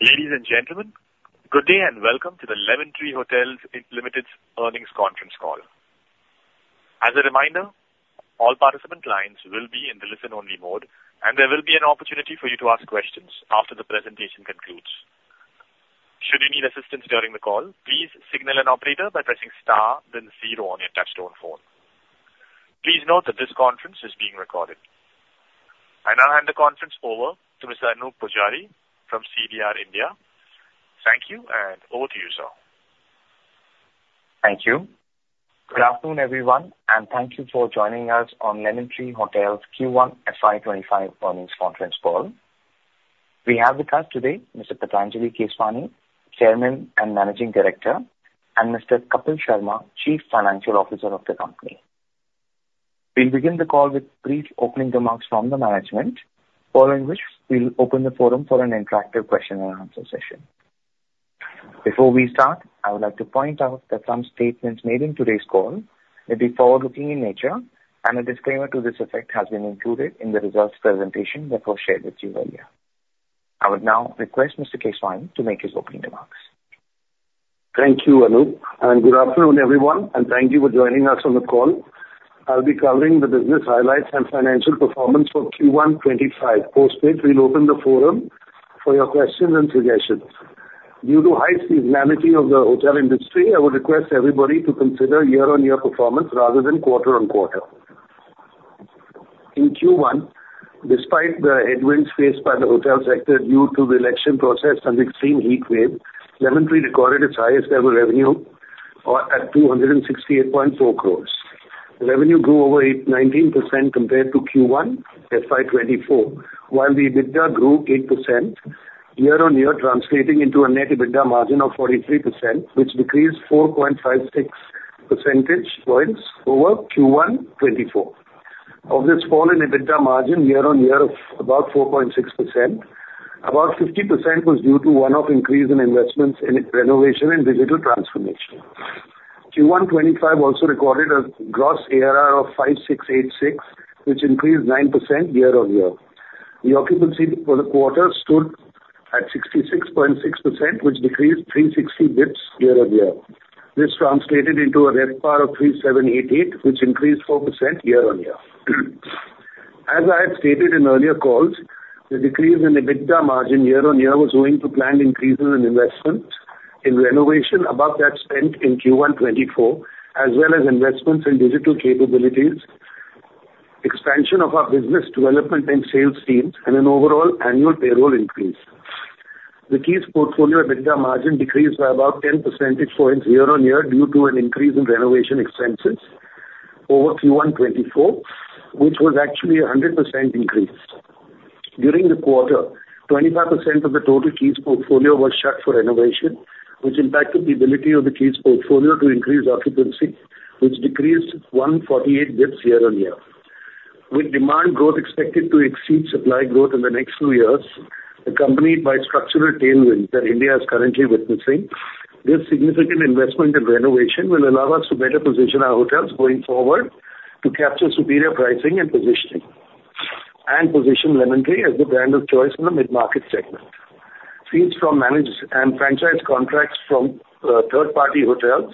Ladies and gentlemen, good day and welcome to the Lemon Tree Hotels Limited Earnings Conference Call. As a reminder, all participant lines will be in the listen-only mode, and there will be an opportunity for you to ask questions after the presentation concludes. Should you need assistance during the call, please signal an operator by pressing star, then zero on your touch-tone phone. Please note that this conference is being recorded. I now hand the conference over to Mr. Anoop Poojari from CDR India. Thank you, and over to you, sir. Thank you. Good afternoon, everyone, and thank you for joining us on Lemon Tree Hotels Q1 FY 2025 earnings conference call. We have with us today Mr. Patanjali Keswani, Chairman and Managing Director, and Mr. Kapil Sharma, Chief Financial Officer of the company. We'll begin the call with brief opening remarks from the management, following which we'll open the forum for an interactive question-and-answer session. Before we start, I would like to point out that some statements made in today's call may be forward-looking in nature, and a disclaimer to this effect has been included in the results presentation that was shared with you earlier. I would now request Mr. Keswani to make his opening remarks. Thank you, Anoop, and good afternoon, everyone, and thank you for joining us on the call. I'll be covering the business highlights and financial performance for Q1 2025. Post it, we'll open the forum for your questions and suggestions. Due to the high seasonality of the hotel industry, I would request everybody to consider year-on-year performance rather than quarter-on-quarter. In Q1, despite the headwinds faced by the hotel sector due to the election process and the extreme heat wave, Lemon Tree recorded its highest-ever revenue at 268.4 crore. Revenue grew over 19% compared to Q1 FY 2024, while the EBITDA grew 8% year-on-year, translating into a net EBITDA margin of 43%, which decreased 4.56 percentage points over Q1 2024. Of this fall in EBITDA margin year-on-year of about 4.6%, about 50% was due to one-off increase in investments in renovation and digital transformation. Q1 2025 also recorded a gross ARR of 5,686, which increased 9% year-on-year. The occupancy for the quarter stood at 66.6%, which decreased 0.66 basis points year-on-year. This translated into a RevPAR of 3,788, which increased 4% year-on-year. As I had stated in earlier calls, the decrease in EBITDA margin year-on-year was owing to planned increases in investments in renovation above that spent in Q1 2024, as well as investments in digital capabilities, expansion of our business development and sales teams, and an overall annual payroll increase. The Keys portfolio EBITDA margin decreased by about 10 percentage points year-on-year due to an increase in renovation expenses over Q1 2024, which was actually a 100% increase. During the quarter, 25% of the total Keys portfolio was shut for renovation, which impacted the ability of the Keys portfolio to increase occupancy, which decreased 148 basis points year-on-year. With demand growth expected to exceed supply growth in the next few years, accompanied by structural tailwinds that India is currently witnessing, this significant investment in renovation will allow us to better position our hotels going forward to capture superior pricing and positioning, and position Lemon Tree as the brand of choice in the mid-market segment. Fees from managed and franchise contracts from third-party hotels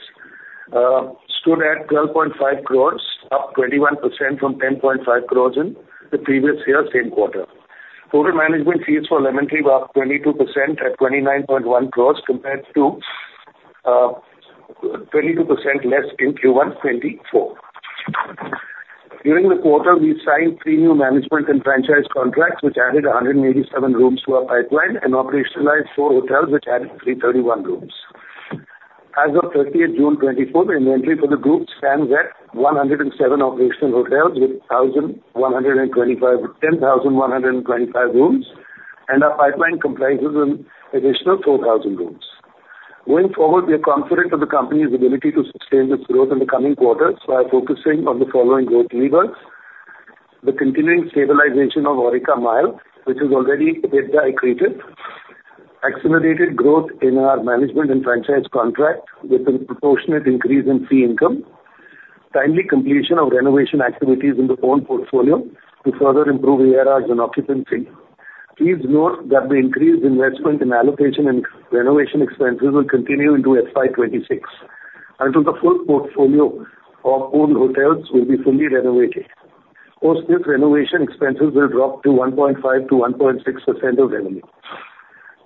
stood at 12.5 crore, up 21% from 10.5 crore in the previous year's same quarter. Total management fees for Lemon Tree were up 22% at 29.1 crore, compared to 22% less in Q1 2024. During the quarter, we signed three new management and franchise contracts, which added 187 rooms to our pipeline, and operationalized four hotels, which added 331 rooms. As of 30 June 2024, the inventory for the group stands at 107 operational hotels with 10,125 rooms, and our pipeline comprises an additional 4,000 rooms. Going forward, we are confident of the company's ability to sustain this growth in the coming quarters by focusing on the following growth levers: the continuing stabilization of Aurika Mumbai, which has already turned EBITDA positive. Accelerated growth in our management and franchise contract with a proportionate increase in fee income. Timely completion of renovation activities in the own portfolio to further improve ARRs and occupancy. Please note that the increased investment in CapEx and renovation expenses will continue into FY 2026. Until the full portfolio of owned hotels will be fully renovated, hence renovation expenses will drop to 1.5%-1.6% of revenue.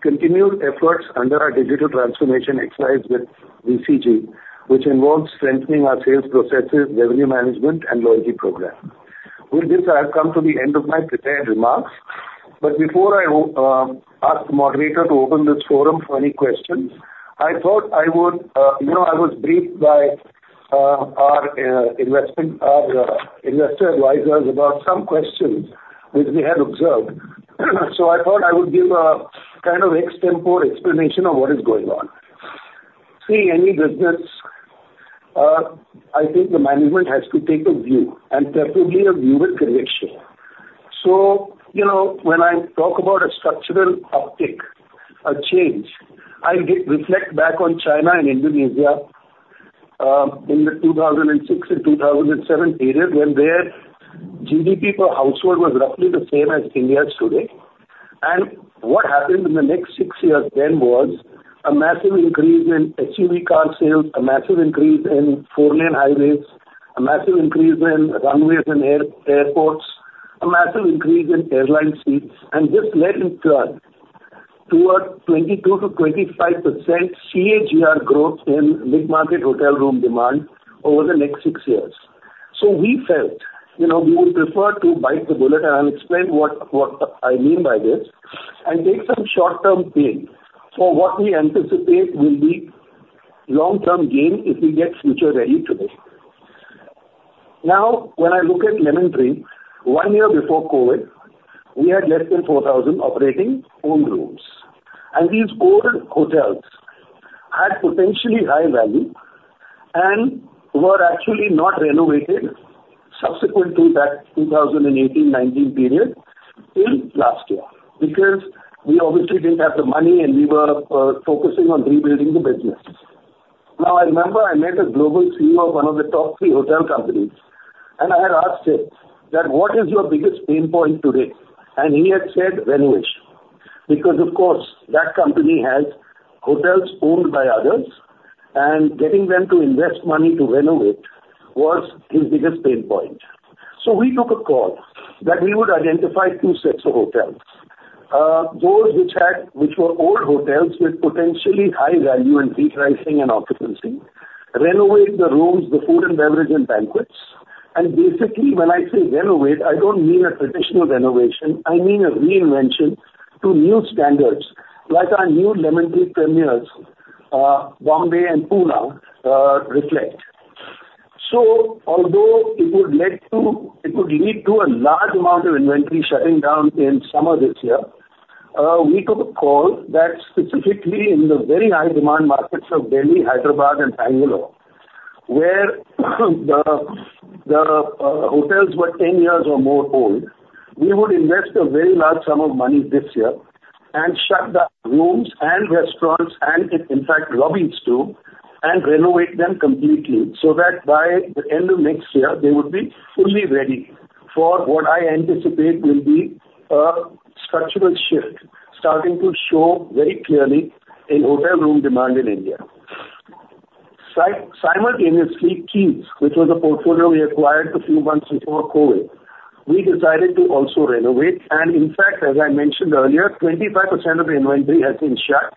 Continued efforts under our digital transformation exercise with BCG, which involves strengthening our sales processes, revenue management, and loyalty program. With this, I've come to the end of my prepared remarks, but before I ask the moderator to open this forum for any questions, I thought I would, you know, I was briefed by our investor advisors about some questions that we had observed, so I thought I would give a kind of extempore explanation of what is going on. Seeing any business, I think the management has to take a view and certainly a view and prediction. So, you know, when I talk about a structural uptick, a change, I reflect back on China and Indonesia in the 2006 and 2007 period when their GDP per household was roughly the same as India's today. And what happened in the next six years then was a massive increase in SUV car sales, a massive increase in four-lane highways, a massive increase in runways and airports, a massive increase in airline seats, and just let it turn to a 22%-25% CAGR growth in mid-market hotel room demand over the next six years. So we felt, you know, we would prefer to bite the bullet. I'll explain what I mean by this and take some short-term pain for what we anticipate will be long-term gain if we get future ready to move. Now, when I look at Lemon Tree, one year before COVID, we had less than 4,000 operating owned rooms, and these owned hotels had potentially high value and were actually not renovated subsequent to that 2018-2019 period in last year because we obviously didn't have the money, and we were focusing on rebuilding the businesses. Now, I remember I met a global CEO of one of the top three hotel companies, and I had asked him that, "What is your biggest pain point today?" And he had said, "Renovation," because, of course, that company had hotels owned by others, and getting them to invest money to renovate was his biggest pain point. So we took a call that we would identify two sets of hotels, those which were old hotels with potentially high value and RevPAR and occupancy, renovate the rooms, the food and beverage, and banquets. When I say renovate, I don't mean a traditional renovation; I mean a reinvention to new standards like our new Lemon Tree Premiers, Bombay, and Poona, reflect. Although it would lead to a large amount of inventory shutting down in summer this year, we took a call that specifically in the very high-demand markets of Delhi, Hyderabad, and Bangalore, where the hotels were 10 years or more old, we would invest a very large sum of money this year and shut the rooms and restaurants and, in fact, lobbies too, and renovate them completely so that by the end of next year, they would be fully ready for what I anticipate will be a structural shift starting to show very clearly in hotel room demand in India. Simultaneously Keys, which was a portfolio we acquired a few months before COVID, we decided to also renovate. And in fact, as I mentioned earlier, 25% of the inventory has been shut,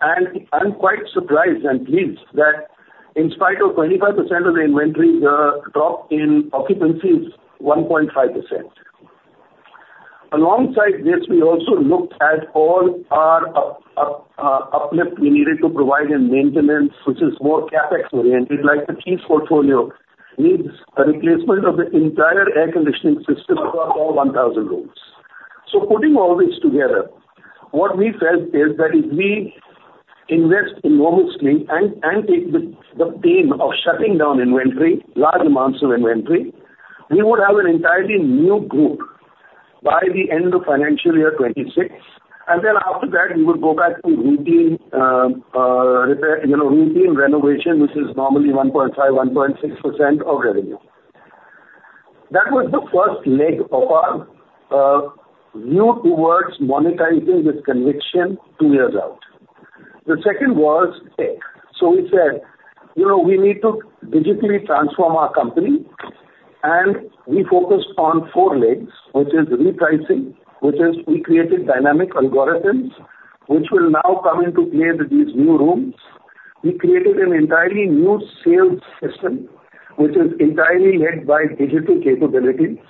and I'm quite surprised and pleased that in spite of 25% of the inventory, the drop in occupancy is 1.5%. Alongside this, we also looked at all our uplift we needed to provide in maintenance, which is more CapEx-oriented, like the Keys portfolio needs a replacement of the entire air conditioning system across all 1,000 rooms. So putting all this together, what we felt is that if we invest enormously and take the pain of shutting down inventory, large amounts of inventory, we would have an entirely new growth by the end of financial year 2026, and then after that, we would go back to retail renovation, which is normally 1.5%, 1.6% of revenue. That was the first leg of our view towards monetizing this conviction two years out. The second was, so we said, you know, we need to digitally transform our company, and we focused on four legs, which is pricing, which is we created dynamic algorithms, which will now come into play in these new rooms. We created an entirely new sales system, which is entirely led by digital capability.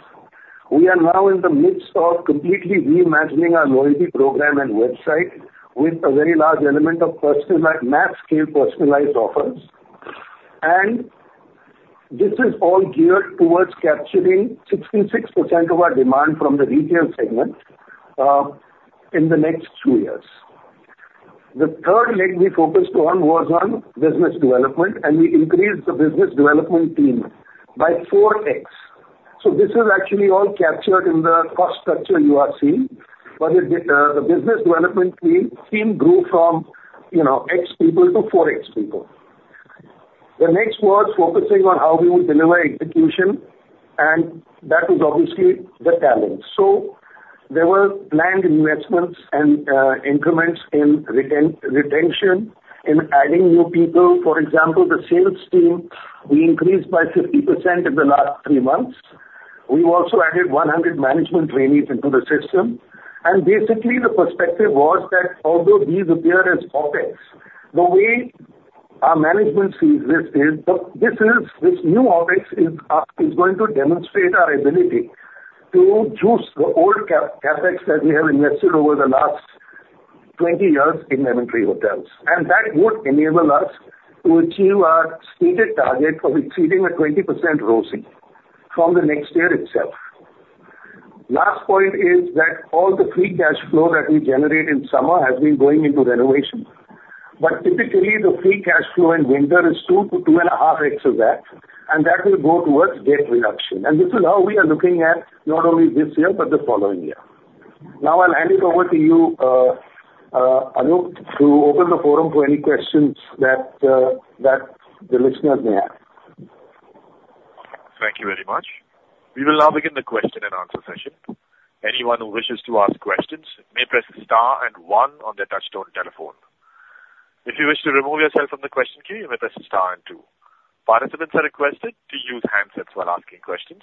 We are now in the midst of completely reimagining our loyalty program and website with a very large element of mass-scale personalized offers. And this is all geared towards capturing 66% of our demand from the retail segment in the next two years. The third leg we focused on was on business development, and we increased the business development team by 4x. So this is actually all captured in the cost structure you are seeing, but the business development team grew from, you know, x people to 4x people. The next was focusing on how we would deliver execution, and that was obviously the talent. There were planned investments and increments in retention, in adding new people. For example, the sales team, we increased by 50% in the last three months. We also added 100 management trainees into the system. Basically, the perspective was that although these appear as offers, the way our management sees this is this new office is going to demonstrate our ability to juice the old CapEx that we have invested over the last 20 years in Lemon Tree Hotels, and that would enable us to achieve our stated target of exceeding a 20% ROCE from the next year itself. Last point is that all the free cash flow that we generate in summer has been going into renovation, but typically the free cash flow in winter is 2-2.5x of that, and that will go towards debt reduction. This is how we are looking at not only this year but the following year. Now I'll hand it over to you, Anoop, to open the forum to any questions that the listeners may have. Thank you very much. We will now begin the question-and-answer session. Anyone who wishes to ask questions may press star and one on the touch-tone telephone. If you wish to remove yourself from the question queue, you may press star and two. Participants are requested to use handsets while asking questions.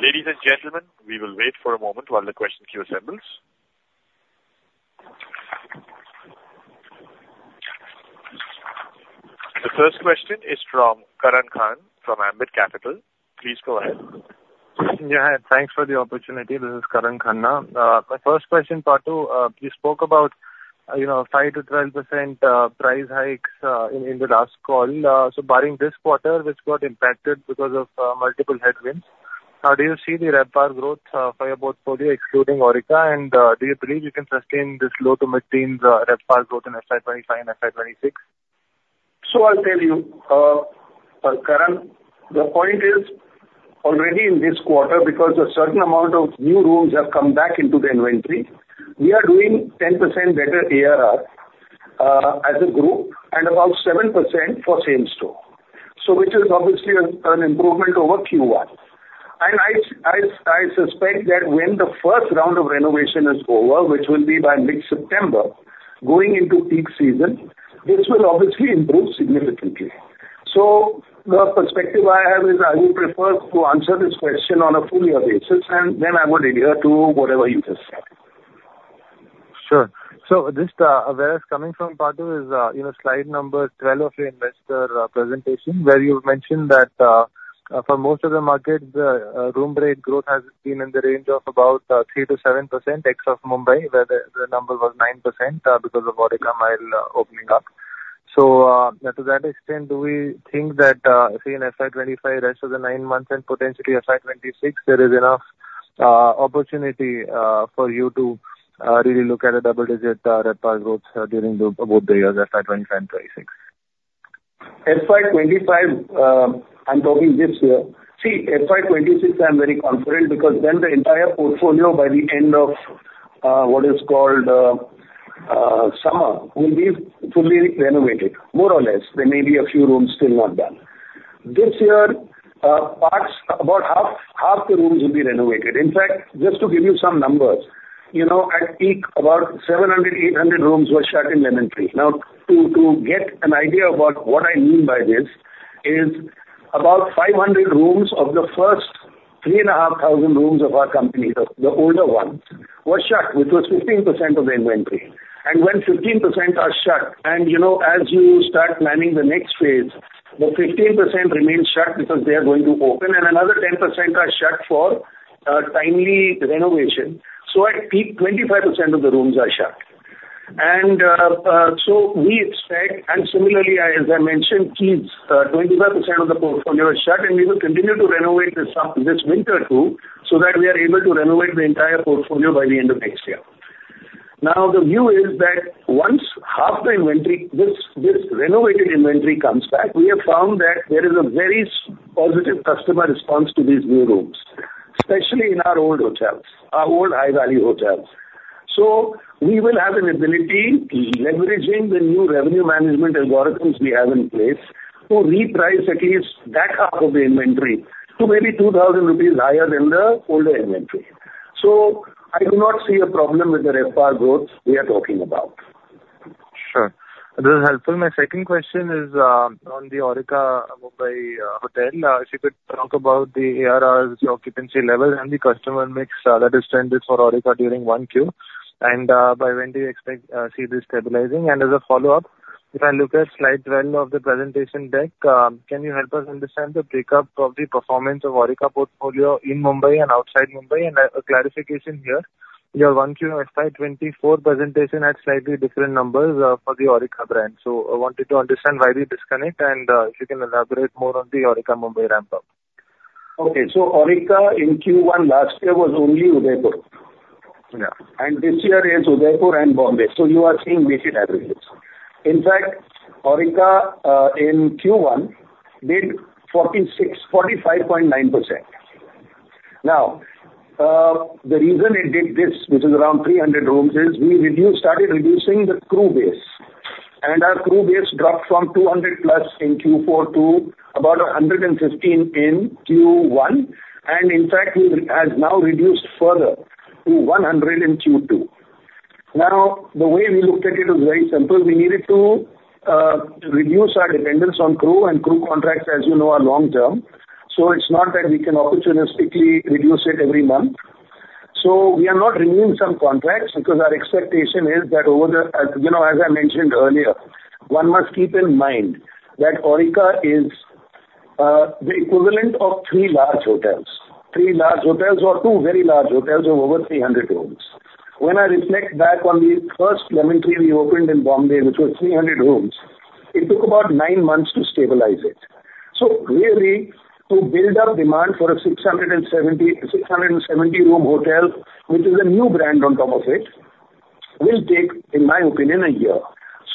Ladies and gentlemen, we will wait for a moment while the question queue assembles. The first question is from Karan Khanna from Ambit Capital. Please go ahead. Yeah, thanks for the opportunity. This is Karan Khanna. My first question, Patu, you spoke about, you know, 5%-12% price hikes in the last call. So barring this quarter, which got impacted because of multiple headwinds, how do you see the RevPAR growth for the portfolio excluding Aurika, and do you believe you can sustain this low to mid-teens RevPAR growth in FY 2025 and FY 2026? So I'll tell you, Karan, the point is already in this quarter because a certain amount of new rooms have come back into the inventory. We are doing 10% better ARR as a group and about 7% for same store, which is obviously an improvement over Q1. I suspect that when the first round of renovation is over, which will be by mid-September, going into peak season, this will obviously improve significantly. So the perspective I have is I would prefer to answer this question on a full year basis, and then I'm going to adhere to whatever you just said. Sure. So this awareness coming from Patu is, you know, slide number 12 of your investor presentation where you mentioned that for most of the market, room rate growth has been in the range of about 3%-7% except Mumbai, where the number was 9% because of Aurika Mumbai opening up. So to that extent, do we think that, say, in FY 2025, the rest of the nine months and potentially FY 2026, there is enough opportunity for you to really look at a double-digit RevPAR growth during both the years FY 2025 and FY 2026? FY 2025, I'm talking this year. See, FY 2026, I'm very confident because then the entire portfolio by the end of what is called summer will be fully renovated, more or less. There may be a few rooms still not done. This year, about half the rooms will be renovated. In fact, just to give you some numbers, you know, I think about 700-800 rooms were shut in Lemon Tree. Now, to get an idea of what I mean by this is about 500 rooms of the first 3,500 rooms of our company, the older one, were shut, which was 15% of the inventory. And when 15% are shut, and you know, as you start planning the next phase, the 15% remain shut because they are going to open, and another 10% are shut for a timely renovation. So I think 25% of the rooms are shut. We expect, and similarly, as I mentioned, Keys, 25% of the portfolio is shut, and we will continue to renovate this winter too so that we are able to renovate the entire portfolio by the end of next year. Now, the view is that once half the inventory, this renovated inventory comes back, we have found that there is a very positive customer response to these new rooms, especially in our old hotels, our old high-value hotels. So we will have an ability leveraging the new revenue management algorithms we have in place to reprice at least that half of the inventory to maybe 2,000 rupees higher in the older inventory. So I do not see a problem with the RevPAR growth we are talking about. Sure. This is helpful. My second question is on the Aurika Mumbai Hotel. If you could talk about the ARR, the occupancy level, and the customer mix to understand this for Aurika during Q1, and by when do you expect to see this stabilizing? And as a follow-up, if I look at slide 12 of the presentation deck, can you help us understand the breakup of the performance of Aurika portfolio in Mumbai and outside Mumbai? And a clarification here, your Q1 FY 2024 presentation had slightly different numbers for the Aurika brand. So I wanted to understand why the disconnect, and if you can elaborate more on the Aurika Mumbai ramp-up. Okay, so Aurika in Q1 last year was only Udaipur. And this year is Udaipur and Mumbai. So you are seeing niche aggregates. In fact, Aurika in Q1 did 45.9%. Now, the reason it did this, which is around 300 rooms, is we started reducing the crew base, and our crew base dropped from 200+ in Q4 to about 115 in Q1, and in fact, we have now reduced further to 100 in Q2. Now, the way we looked at it is very simple. We needed to reduce our dependence on crew, and crew contracts, as you know, are long-term, so it's not that we can opportunistically reduce it every month. So we are not renewing some contracts because our expectation is that over the, you know, as I mentioned earlier, one must keep in mind that Aurika is the equivalent of three large hotels, three large hotels or two very large hotels of over 300 rooms. When I reflect back on the first Lemon Tree we opened in Bombay, which was 300 rooms, it took about 9 months to stabilize it. So really, to build up demand for a 670-room hotel, which is a new brand on top of it, will take, in my opinion, a year.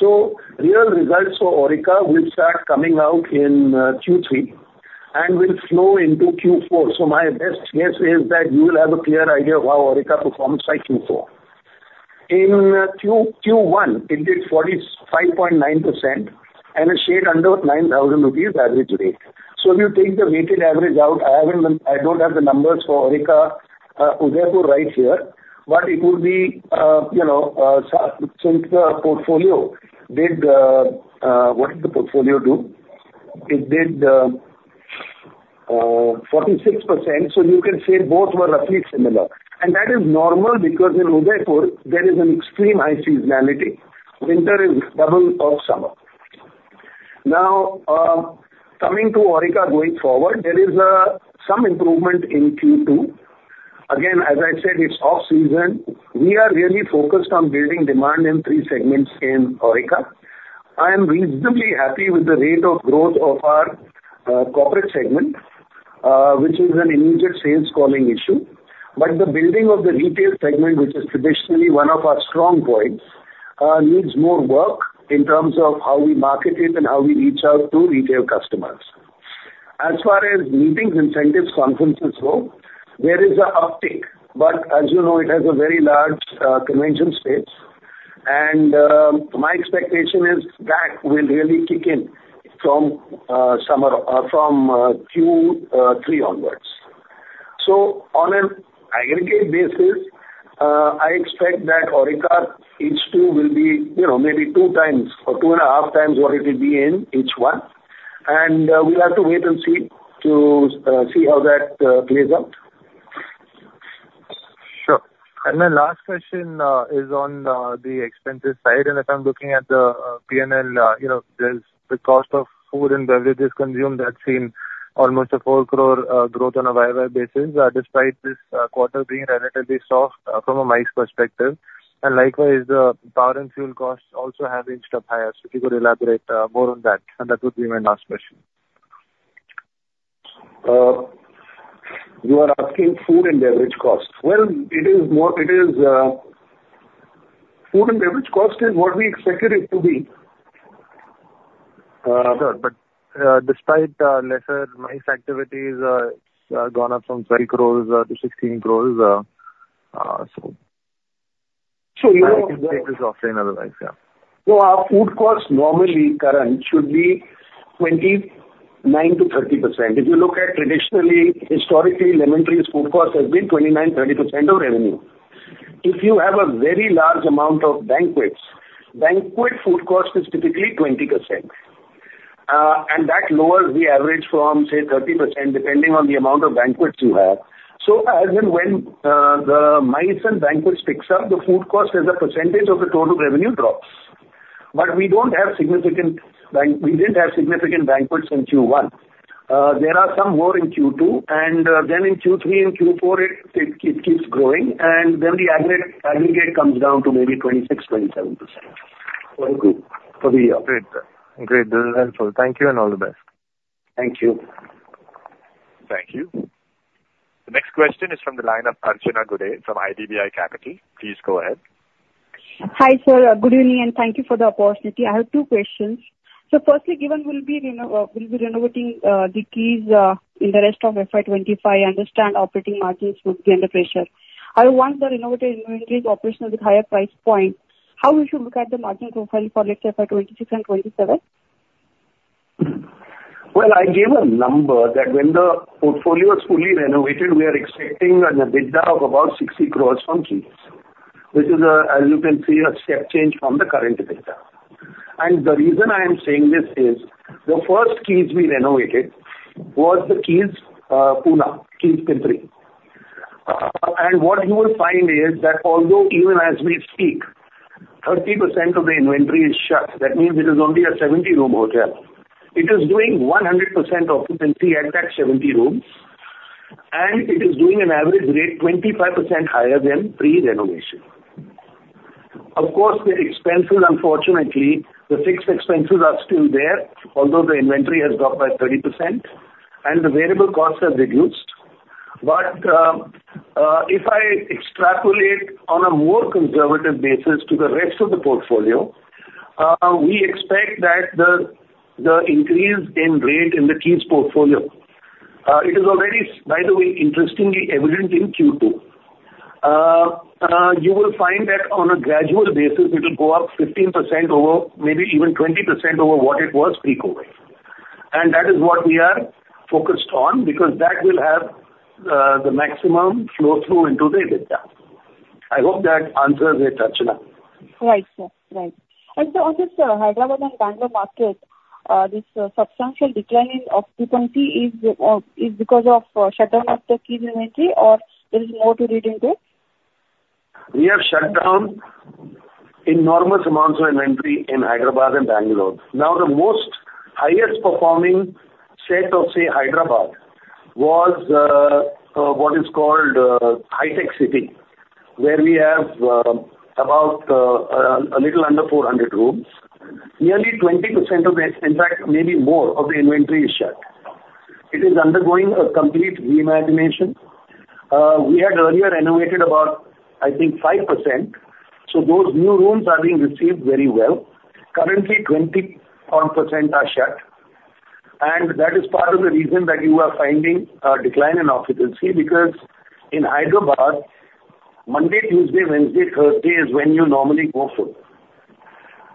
So real results for Aurika will start coming out in Q3 and will flow into Q4. So my best guess is that you will have a clear idea of how Aurika performs by Q4. In Q1, it did 45.9% and a shade under 9,000 rupees average rate. So if you take the retail average out, I don't have the numbers for Aurika Udaipur right here, but it will be, you know, so the portfolio did, what did the portfolio do? It did 46%, so you can say both were roughly similar. That is normal because in Udaipur, there is an extreme high seasonality. Winter is double of summer. Now, coming to Aurika going forward, there is some improvement in Q2. Again, as I said, it's off-season. We are really focused on building demand in three segments in Aurika. I am reasonably happy with the rate of growth of our corporate segment, which is an immediate sales calling issue, but the building of the retail segment, which is traditionally one of our strong points, needs more work in terms of how we market it and how we reach out to retail customers. As far as meetings and incentives conferences go, there is an uptake, but as you know, it has a very large convention space, and my expectation is that will really kick in from Q3 onwards. So on an aggregate basis, I expect that Aurika H2 will be, you know, maybe 2x or 2.5x what it will be in each one, and we'll have to wait and see how that plays out. Sure. And my last question is on the expenses side, and if I'm looking at the P&L, you know, the cost of food and beverages consumed, that's seen almost an 4 crore growth on a Y-o-Y basis, despite this quarter being relatively soft from a MICE perspective. And likewise, the power and fuel costs also have reached up higher. So if you could elaborate more on that, and that would be my last question. You are asking food and beverage costs. Well, it is food and beverage costs is what we expected it to be. But despite lesser MICE activities, gone up from 12 crore-16 crore. So you know. So you would take this off-screen otherwise, yeah. Well, our food costs normally, Karan, should be 29%-30%. If you look at traditionally, historically, Lemon Tree's food costs have been 29%-30% of revenue. If you have a very large amount of banquets, banquet food costs is typically 20%. And that lowers the average from, say, 30% depending on the amount of banquets you have. So as in when the MICE and banquets pick up, the food cost as a percentage of the total revenue drops. But we don't have significant banquets in Q1. There are some more in Q2, and then in Q3 and Q4, it keeps growing, and then the aggregate comes down to maybe 26%-27% for the year. Great. Great. This is helpful. Thank you and all the best. Thank you. Thank you. The next question is from the line of Archana Gude from IDBI Capital. Please go ahead. Hi sir, good evening and thank you for the opportunity. I have two questions. So firstly, given we will be renovating the Keys in the rest of FY 2025, I understand operating margins would be under pressure. I want the renovated inventory to operate with a higher price point. How should we look at the margin profile for next FY 2026 and FY 2027? Well, I gave a number that when the portfolio is fully renovated, we are expecting an additional of about 60 crore from Keys, which is, as you can see, a change from the current data. And the reason I am saying this is the first Keys we renovated was the Keys Poona, Keys Pimpri. What you will find is that although even as we speak, 30% of the inventory is shut, that means it is only a 70-room hotel. It is doing 100% occupancy at that 70 rooms, and it is doing an average rate 25% higher than pre-renovation. Of course, the expenses, unfortunately, the fixed expenses are still there, although the inventory has dropped by 30%, and the variable costs have reduced. But if I extrapolate on a more conservative basis to the rest of the portfolio, we expect that the increase in rate in the Keys portfolio, it is already, by the way, interestingly evident in Q2. You will find that on a gradual basis, it will go up 15% over, maybe even 20% over what it was peak over. And that is what we are focused on because that will have the maximum flow-through into the data. I hope that answers it, Archana. Right, sir. Right. And so on this Hyderabad and Bangalore market, this substantial decline in occupancy is because of the shutdown of the Keys inventory, or there is more to read in this? We have shut down enormous amounts of inventory in Hyderabad and Bangalore. Now, the most highest performing set of, say, Hyderabad was what is called HITEC City, where we have about a little under 400 rooms. Nearly 20% of this, in fact, maybe more of the inventory is shut. It is undergoing a complete reimagination. We had earlier renovated about, I think, 5%. So those new rooms are being received very well. Currently, 20% are shut. And that is part of the reason that you are finding a decline in occupancy because in Hyderabad, Monday, Tuesday, Wednesday, Thursday is when you normally go full.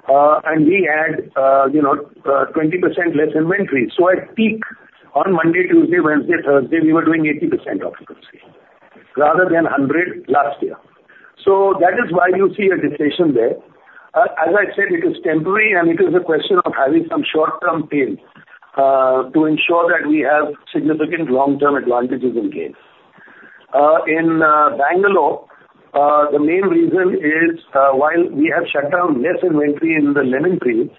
We had, you know, 20% less inventory. So at peak on Monday, Tuesday, Wednesday, Thursday, we were doing 80% occupancy rather than 100% last year. So that is why you see a dip there. As I said, it is temporary, and it is a question of having some short-term pain to ensure that we have significant long-term advantages in game. In Bangalore, the main reason is while we have shut down less inventory in the Lemon Tree,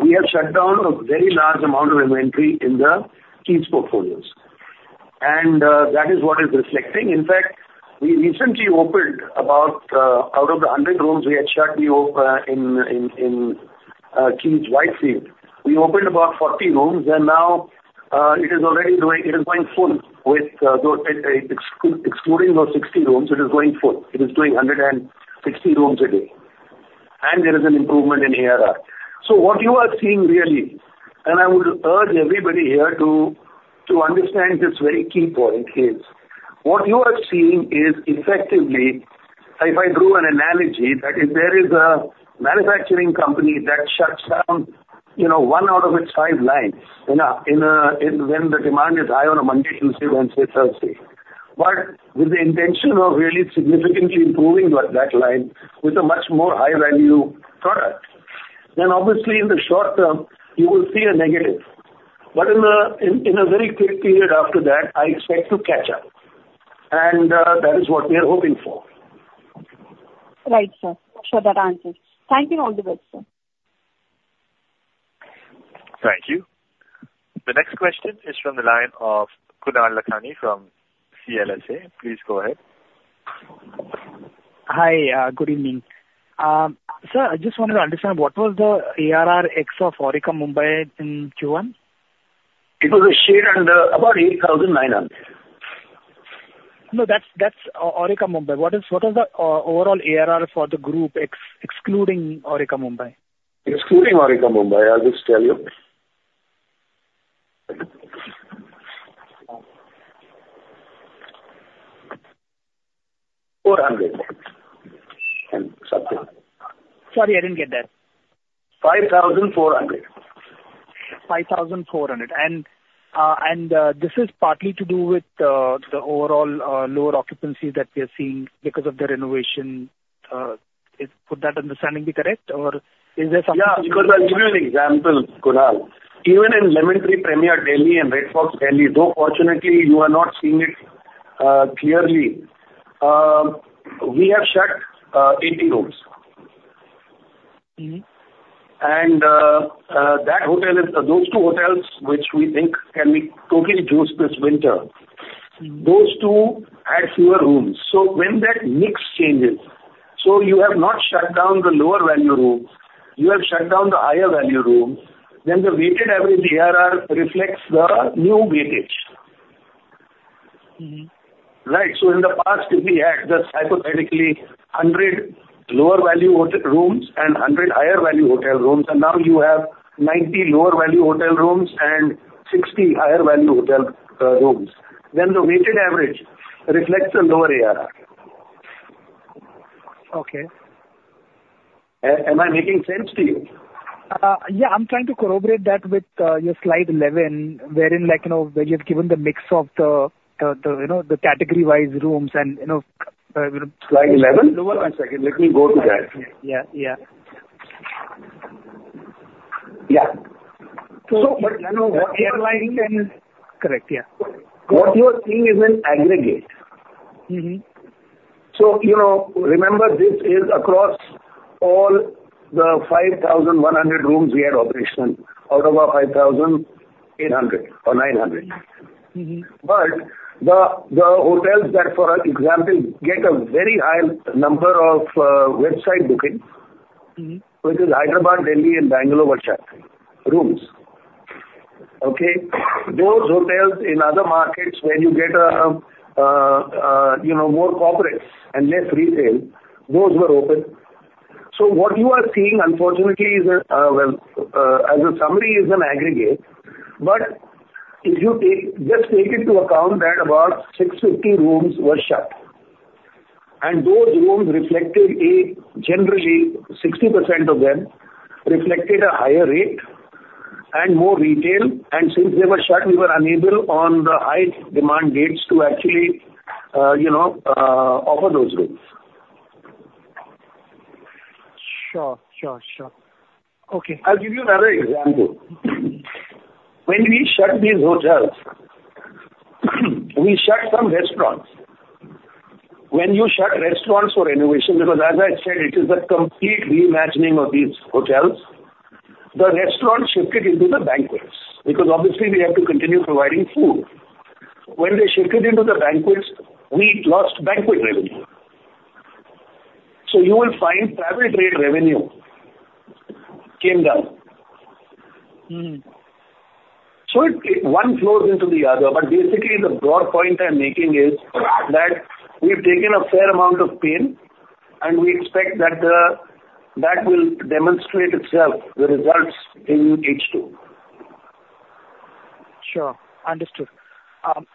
we have shut down a very large amount of inventory in the Keys portfolio. And that is what is reflecting. In fact, we recently opened about out of the 100 rooms we had shut in Keys Whitefield, we opened about 40 rooms. And now it is already going full with exploding about 60 rooms. It is going full. It is doing 160 rooms a day. There is an improvement in ARR. What you are seeing really, and I would urge everybody here to understand this very key point is what you are seeing is effectively, if I drew an analogy that if there is a manufacturing company that shuts down, you know, one out of its five lines when the demand is high on a Monday, Tuesday, Wednesday, Thursday, but with the intention of really significantly improving that line with a much more high-value product, then obviously in the short term, you will see a negative. In a very quick period after that, I expect to catch up. That is what we are hoping for. Right, sir. I'm sure that answers. Thank you and all the best, sir. Thank you. The next question is from the line of Kunal Lakhan from CLSA. Please go ahead. Hi, good evening. Sir, I just wanted to understand what was the ARR ex of Aurika Mumbai in Q1? It was somewhere under about 8,900. No, that's Aurika Mumbai. What is the overall ARR for the group excluding Aurika Mumbai? Excluding Aurika Mumbai, I'll just tell you. 5,400. And something. Sorry, I didn't get that. 5,400. 5,400. And this is partly to do with the overall lower occupancy that we are seeing because of the renovation. Would that understanding be correct, or is there something else? Yeah, because I'll give you an example, Kunal. Even in Lemon Tree Premier Delhi and Red Fox Delhi, though fortunately you are not seeing it clearly, we have shut 80 rooms. And those two hotels, which we think can be totally juiced this winter, those two had fewer rooms. So when that mix changes, so you have not shut down the lower value room, you have shut down the higher value room, then the weighted average ARR reflects the new weightage. Right, so in the past, we had just hypothetically 100 lower value hotel rooms and 100 higher value hotel rooms, and now you have 90 lower value hotel rooms and 60 higher value hotel rooms. Then the weighted average reflects the lower ARR. Okay. Am I making sense to you? Yeah, I'm trying to corroborate that with your slide 11, wherein like, you know, where you've given the mix of the, you know, the category-wise rooms and, you know. Slide 11? No, no, no, I'm sorry. Let me go to that. Yeah, yeah. Yeah. So, but you know, what we are liking then is correct, yeah. What you are seeing is an aggregate. So, you know, remember this is across all the 5,100 rooms we had operation out of our 5,800 or 900. But the hotels that, for example, get a very high number of website booking, which is Hyderabad, Delhi, and Bangalore Whitefield rooms. Okay? Those hotels in other markets where you get a, you know, more corporates and less retail, those were open. So what you are seeing, unfortunately, is a, well, as a summary, is an aggregate. But if you just take into account that about 650 rooms were shut. And those rooms reflected a generally 60% of them reflected a higher rate and more retail. And since they were shut, we were unable on the high demand dates to actually, you know, offer those rooms. Sure, sure, sure. Okay, I'll give you another example. When we shut these hotels, we shut some restaurants. When you shut restaurants for renovation, because as I said, it is a complete reimagining of these hotels, the restaurants shifted into the banquets because obviously we have to continue providing food. When they shifted into the banquets, we lost banquet revenue. So you will find private rate revenue came down. So one flows into the other, but basically the broad point I'm making is that we've taken a fair amount of pain and we expect that that will demonstrate itself, the results in H2. Sure, understood.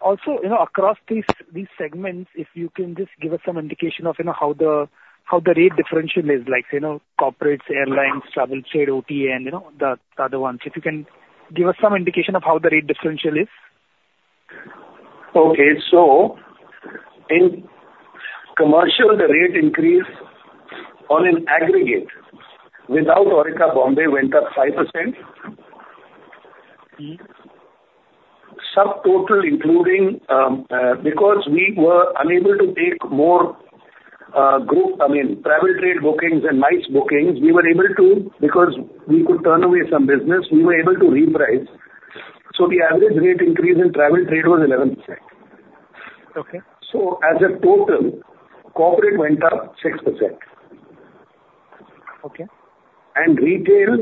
Also, you know, across these segments, if you can just give us some indication of, you know, how the rate differential is, like say, you know, corporates, airlines, travel trade, OTA, you know, the other ones. If you can give us some indication of how the rate differential is. Okay, so in commercial, the rate increase on an aggregate without Aurika Mumbai went up 5%. Subtotal including, because we were unable to take more group, I mean, private rate bookings and MICE bookings, we were able to, because we could turn away some business, we were able to reprice. So the average rate increase in private trade was 11%. Okay. So as a total, corporate went up 6%. Okay. And retail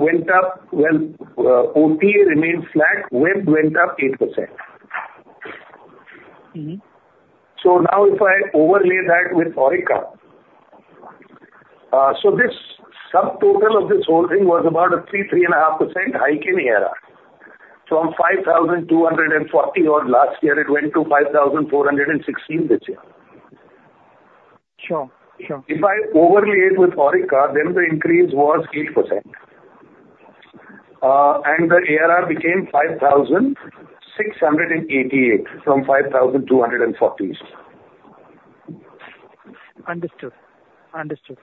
went up, well, OT remained flat, went up 8%. So now if I overlay that with Aurika, so this subtotal of this whole thing was about a 3%-3.5% hike in ARR. From 5,240 last year, it went to 5,416 this year. Sure, sure. If I overlay it with Aurika, then the increase was 8%. And the ARR became 5,688 from 5,240. Understood. Understood.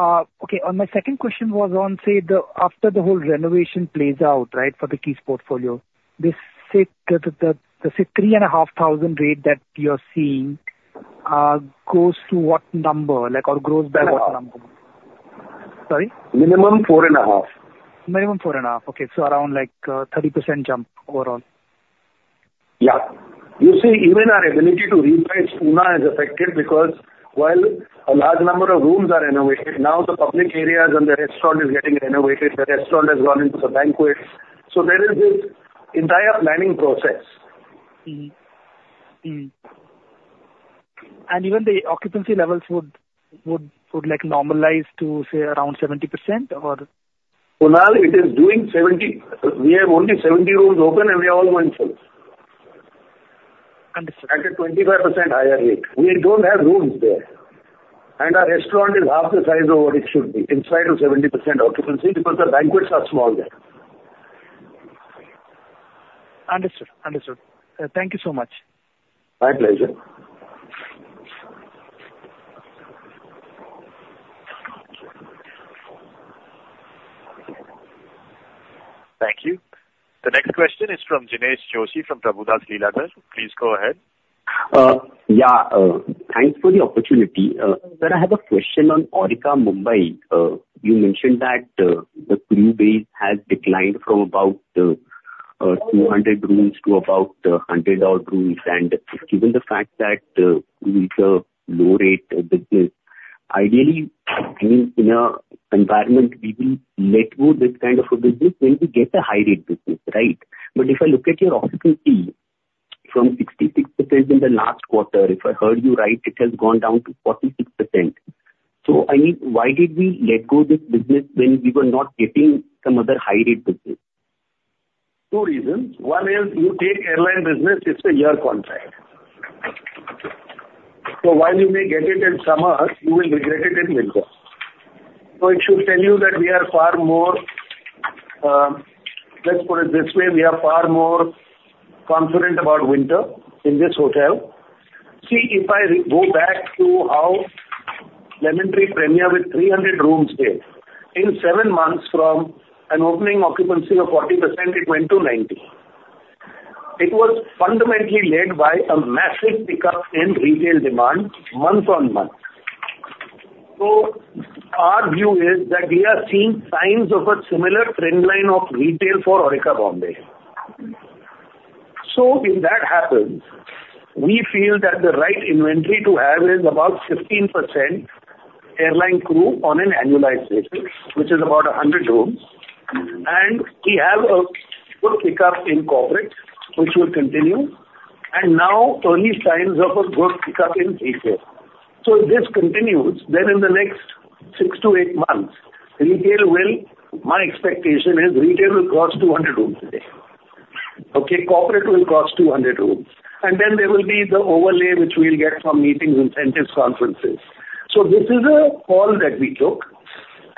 Okay, on my second question was on, say, the after the whole renovation plays out, right, for the Keys portfolio, they say the 3,500 rate that you're seeing goes to what number, like, or grows by what number? Sorry? Minimum 4,500. Minimum 4,500, okay, so around like 30% jump overall. Yeah. You see, even our ability to reimagine has affected because while a large number of rooms are renovated, now the public areas and the restaurant is getting renovated, the restaurant has gone into the banquets. So there is this entire planning process. And even the occupancy levels would like normalize to say around 70% or? Kunal, it is doing 70%. We have only 70 rooms open and we are all going full. Understood. At a 25% higher rate. We don't have rooms there. Our restaurant is half the size of what it should be inside of 70% occupancy because the banquets are small there. Understood, understood. Thank you so much. My pleasure. Thank you. The next question is from Jinesh Joshi from Prabhudas Liladher. Please go ahead. Yeah, thanks for the opportunity. Sir, I have a question on Aurika Mumbai. You mentioned that the crew let rate has declined from about 200 rooms to about 100 rooms. And given the fact that it's a low-rate business, ideally, I mean, in an environment, we will let go of this kind of a business when we get the high-rate business, right? But if I look at your occupancy from 66% in the last quarter, if I heard you right, it has gone down to 46%. So I mean, why did we let go of this business when we were not getting some other high-rate business? No reason. While you take airline business, it's a year contract. So while you may get it in summer, you will regret it in winter. So it should tell you that we are far more, let's put it this way, we are far more confident about winter in this hotel. See, if I go back to our Lemon Tree Premier with 300 rooms here, in seven months from an opening occupancy of 40%, it went to 90%. It was fundamentally led by a massive pickup in retail demand month-on-month. So our view is that we are seeing signs of a similar trend line of retail for Aurika Mumbai. So if that happens, we feel that the right inventory to have is about 15% airline crew on an annualized basis, which is about 100 rooms. And we have a good pickup in corporate, which will continue. And now early signs of a good pickup in retail. So if this continues, then in the next 6-8 months, retail will, my expectation is retail will cost 200 rooms a day. Okay, corporate will cost 200 rooms. And then there will be the overlay which we'll get from meetings, incentives, conferences. So this is a call that we took.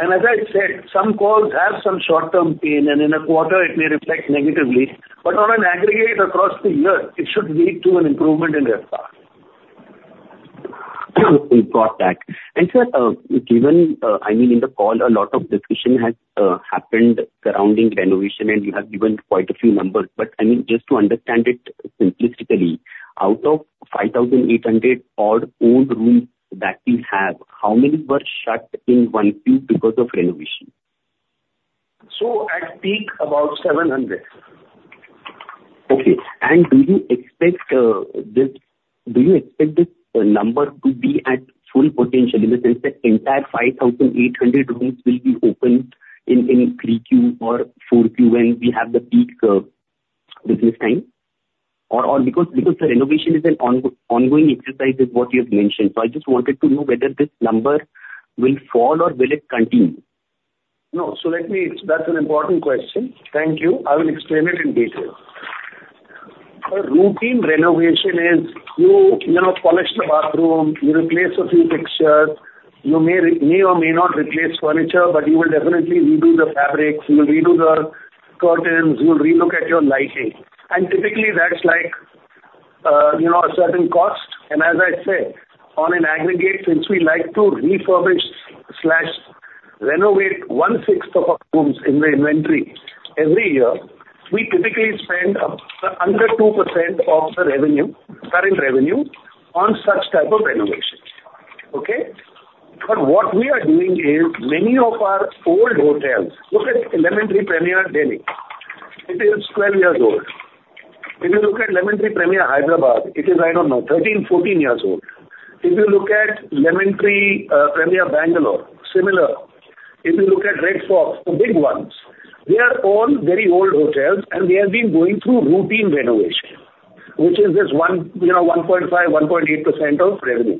And as I said, some calls have some short-term pain, and in a quarter, it may reflect negatively. But on an aggregate across the year, it should lead to an improvement in that. We've got that. And sir, given, I mean, in the call, a lot of decision has happened surrounding renovation, and we have given quite a few numbers. But I mean, just to understand it simplistically, out of 5,800-odd old rooms that we have, how many were shut in one piece because of renovation? So I think about 700. Okay. And do you expect this, do you expect this number to be at full potential? In the sense, the entire 5,800 rooms will be opened in 3Q or 4Q when we have the peak business time? Or because the renovation is an ongoing exercise, is what you have mentioned. So I just wanted to know whether this number will fall or will it continue? No, so let me, that's an important question. Thank you. I will explain it in detail. Routine renovation is, you know, you furnish the bathroom, you replace a few fixtures, you may or may not replace furniture, but you will definitely redo the fabrics, you will redo the curtains, you will relook at your lighting. And typically that's like, you know, a certain cost. And as I said, on an aggregate, since we like to refurbish slash renovate one sixth of our rooms in the inventory every year, we typically spend under 2% of the revenue, current revenue, on such type of renovation. Okay? But what we are doing is many of our old hotels, look at Lemon Tree Premier Delhi. It is 12 years old. If you look at Lemon Tree Premier Hyderabad, it is, I don't know, 13-14 years old. If you look at Lemon Tree Premier Bangalore, similar. If you look at Red Fox, the big ones, they are all very old hotels, and they have been going through routine renovation, which is this one, you know, 1.5%,1.8% of revenue.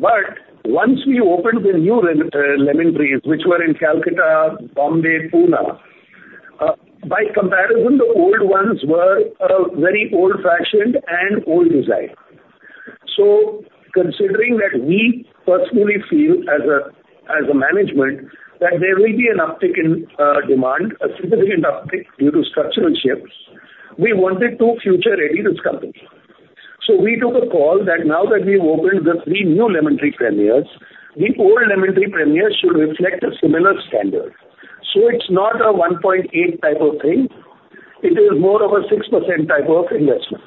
But once we opened the new Lemon Trees, which were in Kolkata, Mumbai, Poona, by comparison, the old ones were very old-fashioned and old design. So considering that we personally feel as a management that there will be an uptick in demand, a significant uptick due to structural shifts, we wanted to future-ready this company. So we took a call that now that we've opened the three new Lemon Tree Premiers, the old Lemon Tree Premiers should reflect a similar standard. So it's not a 1.8 type of thing. It is more of a 6% type of investment.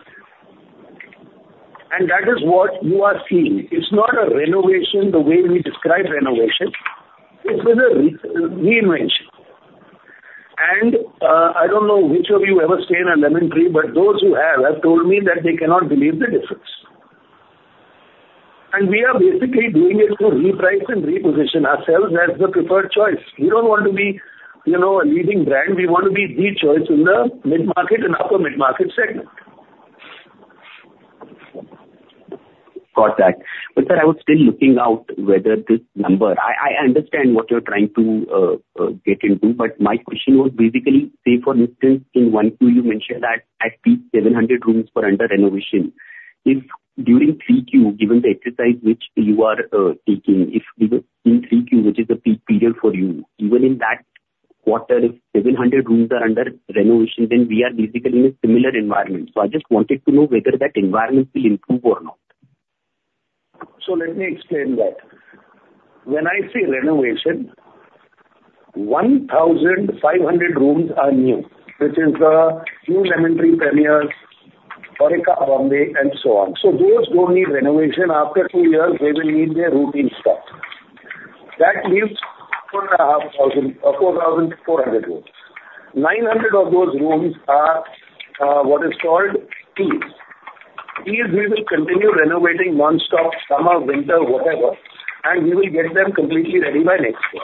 And that is what you are seeing. It's not a renovation the way we describe renovation. It's a reinvention. I don't know which of you ever stay in a Lemon Tree, but those who have have told me that they cannot believe the difference. We are basically doing it to reprice and reposition ourselves as the preferred choice. We don't want to be, you know, a leading brand. We want to be the choice in the mid-market and upper mid-market segment. Got that. But sir, I was still looking out whether this number, I understand what you're trying to get into, but my question was basically, say for instance, in 1Q you mentioned that at peak 700 rooms were under renovation, if during 3Q, given the exercise which you are taking, if in 3Q, which is the peak period for you, even in that quarter, if 700 rooms are under renovation, then we are basically in a similar environment. So I just wanted to know whether that environment will improve or not. So let me explain that. When I say renovation, 1,500 rooms are new, which is the new Lemon Tree Premiers, Aurika Mumbai, and so on. So those don't need renovation. After 2 years, they will need their routine block. That leaves 4,400 rooms. 900 of those rooms are what is called Keys. Keys, we will continue renovating one block, summer, winter, whatever, and we will get them completely ready by next year.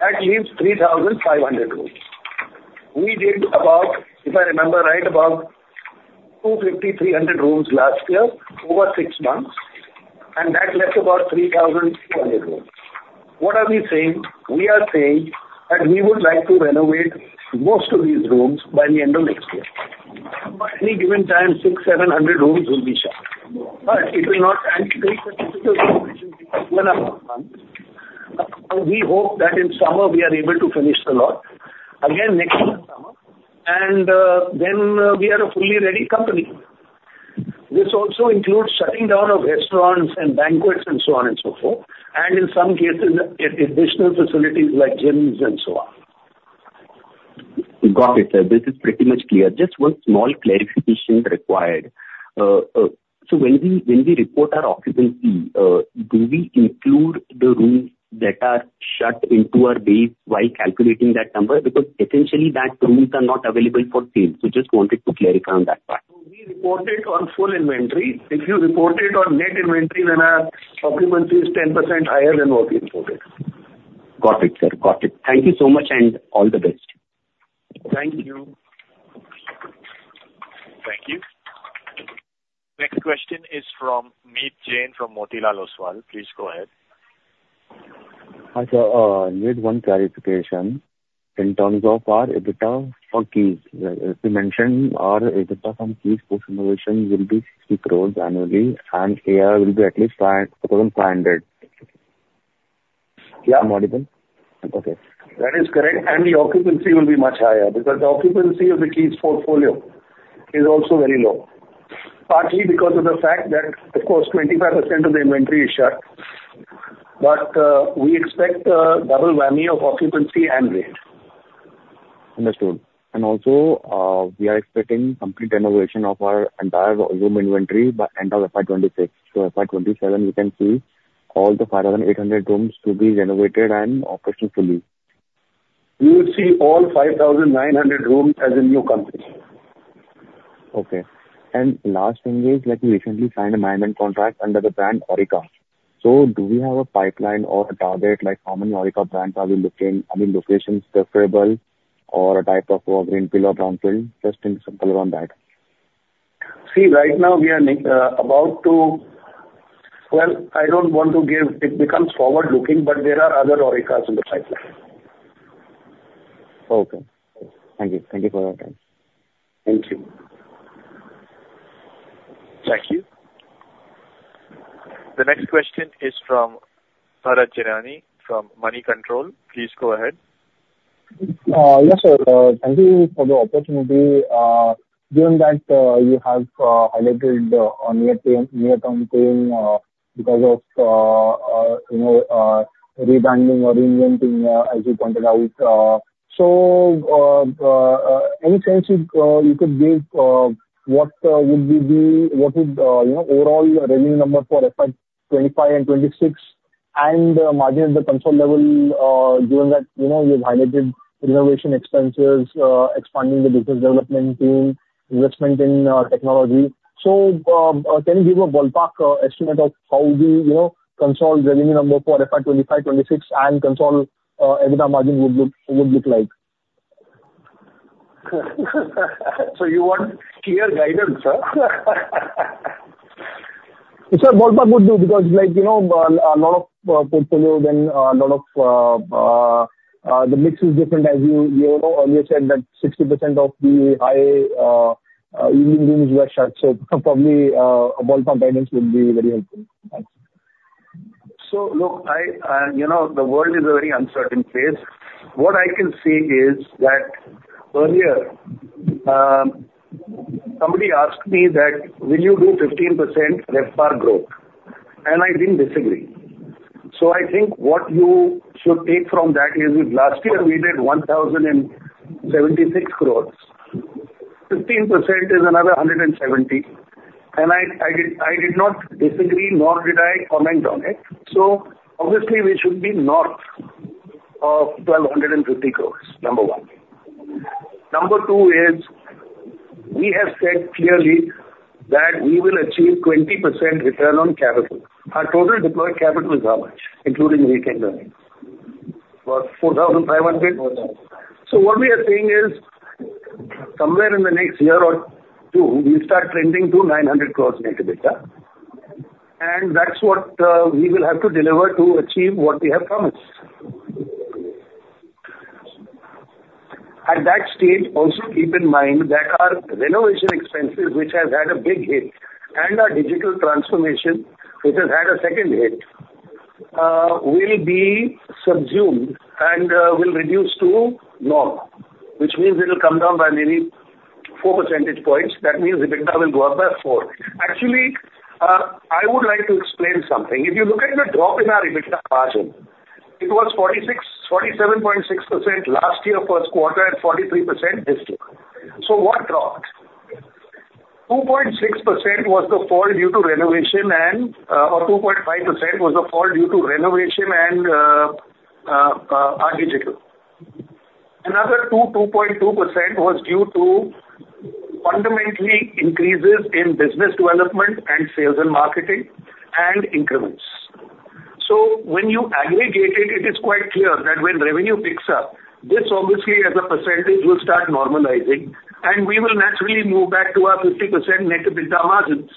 That leaves 3,500 rooms. We did about, if I remember right, about 250-300 rooms last year over 6 months, and that left about 3,400 rooms. What are we saying? We are saying that we would like to renovate most of these rooms by the end of next year. At any given time, 600-700 rooms will be shut. But it will not, and there is a typical renovation 1.5 months. We hope that in summer we are able to finish the lot. Again, next summer, and then we are a fully ready company. This also includes shutting down of restaurants and banquets and so on and so forth, and in some cases, additional facilities like gyms and so on. Got it. This is pretty much clear. Just one small clarification required. So when we report our occupancy, do we include the rooms that are shut into our base while calculating that number? Because essentially that rooms are not available for sale. So just wanted to clarify on that part. Reported on full inventory. If you reported on net inventory, then our occupancy is 10% higher than what we reported. Got it, sir. Got it. Thank you so much and all the best. Thank you. Thank you. Next question is from Meet Jain from Motilal Oswal. Please go ahead. I need one clarification. In terms of our EBITDA for Keys, you mentioned our EBITDA from Keys post-renovation will be 60 crore annually, and ARR will be at least 5,500. Yeah. Okay. That is correct. And the occupancy will be much higher because the occupancy of the Keys portfolio is also very low. Partly because of the fact that, of course, 25% of the inventory is shut. But we expect a double whammy of occupancy and rent. Understood. And also, we are expecting complete renovation of our entire room inventory by end of FY 2026. So FY 2027, you can see all the 5,800 rooms to be renovated and operating fully. We will see all 5,900 rooms as a new company. Okay. And last thing is, like you recently signed a management contract under the brand Aurika. So do we have a pipeline or a target, like how many Aurika brands are we looking, I mean, locations preferable or a type of greenfield or brownfield? Just a simple one that. See, right now we are about to, well, I don't want to give, it becomes forward looking, but there are other Aurikas in the pipeline. Okay. Thank you. Thank you for your time. Thank you. The next question is from Bharat Gianani from Moneycontrol. Please go ahead. Yes, sir. Thank you for the opportunity. Given that you have highlighted a near-term pain because of, you know, rebranding or reinventing, as you pointed out. So any sense you could give what would be, what would, you know, overall revenue number for FY 2025 and FY 2026 and margin at the control level, given that, you know, you've highlighted renovation expenses, expanding the business development team, investment in technology. So can you give a ballpark estimate of how the, you know, consolidating number for FY 2025, FY 2026 and consolidating margin would look like? So you want clear guidance, sir? It's a ballpark would do because, like, you know, a lot of portfolios and a lot of the mix is different, as you said, that 60% of the high-end inventory is shut. So probably a ballpark guidance would be very helpful. So look, I, you know, the world is a very uncertain phase. What I can see is that earlier, somebody asked me that, will you do 15% RevPAR growth? And I didn't disagree. So I think what you should take from that is, last year we did 1,076 crore. 15% is another 170 crore. And I did not disagree, nor did I comment on it. So obviously, we should be north of 1,250 crore, number one. Number two is, we have said clearly that we will achieve 20% return on capital. Our total deployed capital is how much, including recalculating? About 4,500 crore? So what we are saying is, somewhere in the next year or two, we'll start trending to 900 crore net EBITDA. And that's what we will have to deliver to achieve what we have promised. At that stage, also keep in mind that our renovation expenses, which have had a big hit, and our digital transformation, which has had a second hit, will be subsumed and will reduce to normal, which means it will come down by maybe 4 percentage points. That means EBITDA will go up by 4. Actually, I would like to explain something. If you look at the drop in our EBITDA margin, it was 47.6% last year first quarter and 43% this year. So what dropped? 2.6% was the fall due to renovation and, or 2.5% was the fall due to renovation and our digital. Another 2.2% was due to fundamental increases in business development and sales and marketing and increments. So when you aggregate it, it is quite clear that when revenue picks up, this obviously as a percentage will start normalizing. And we will naturally move back to our 50% net EBITDA margins.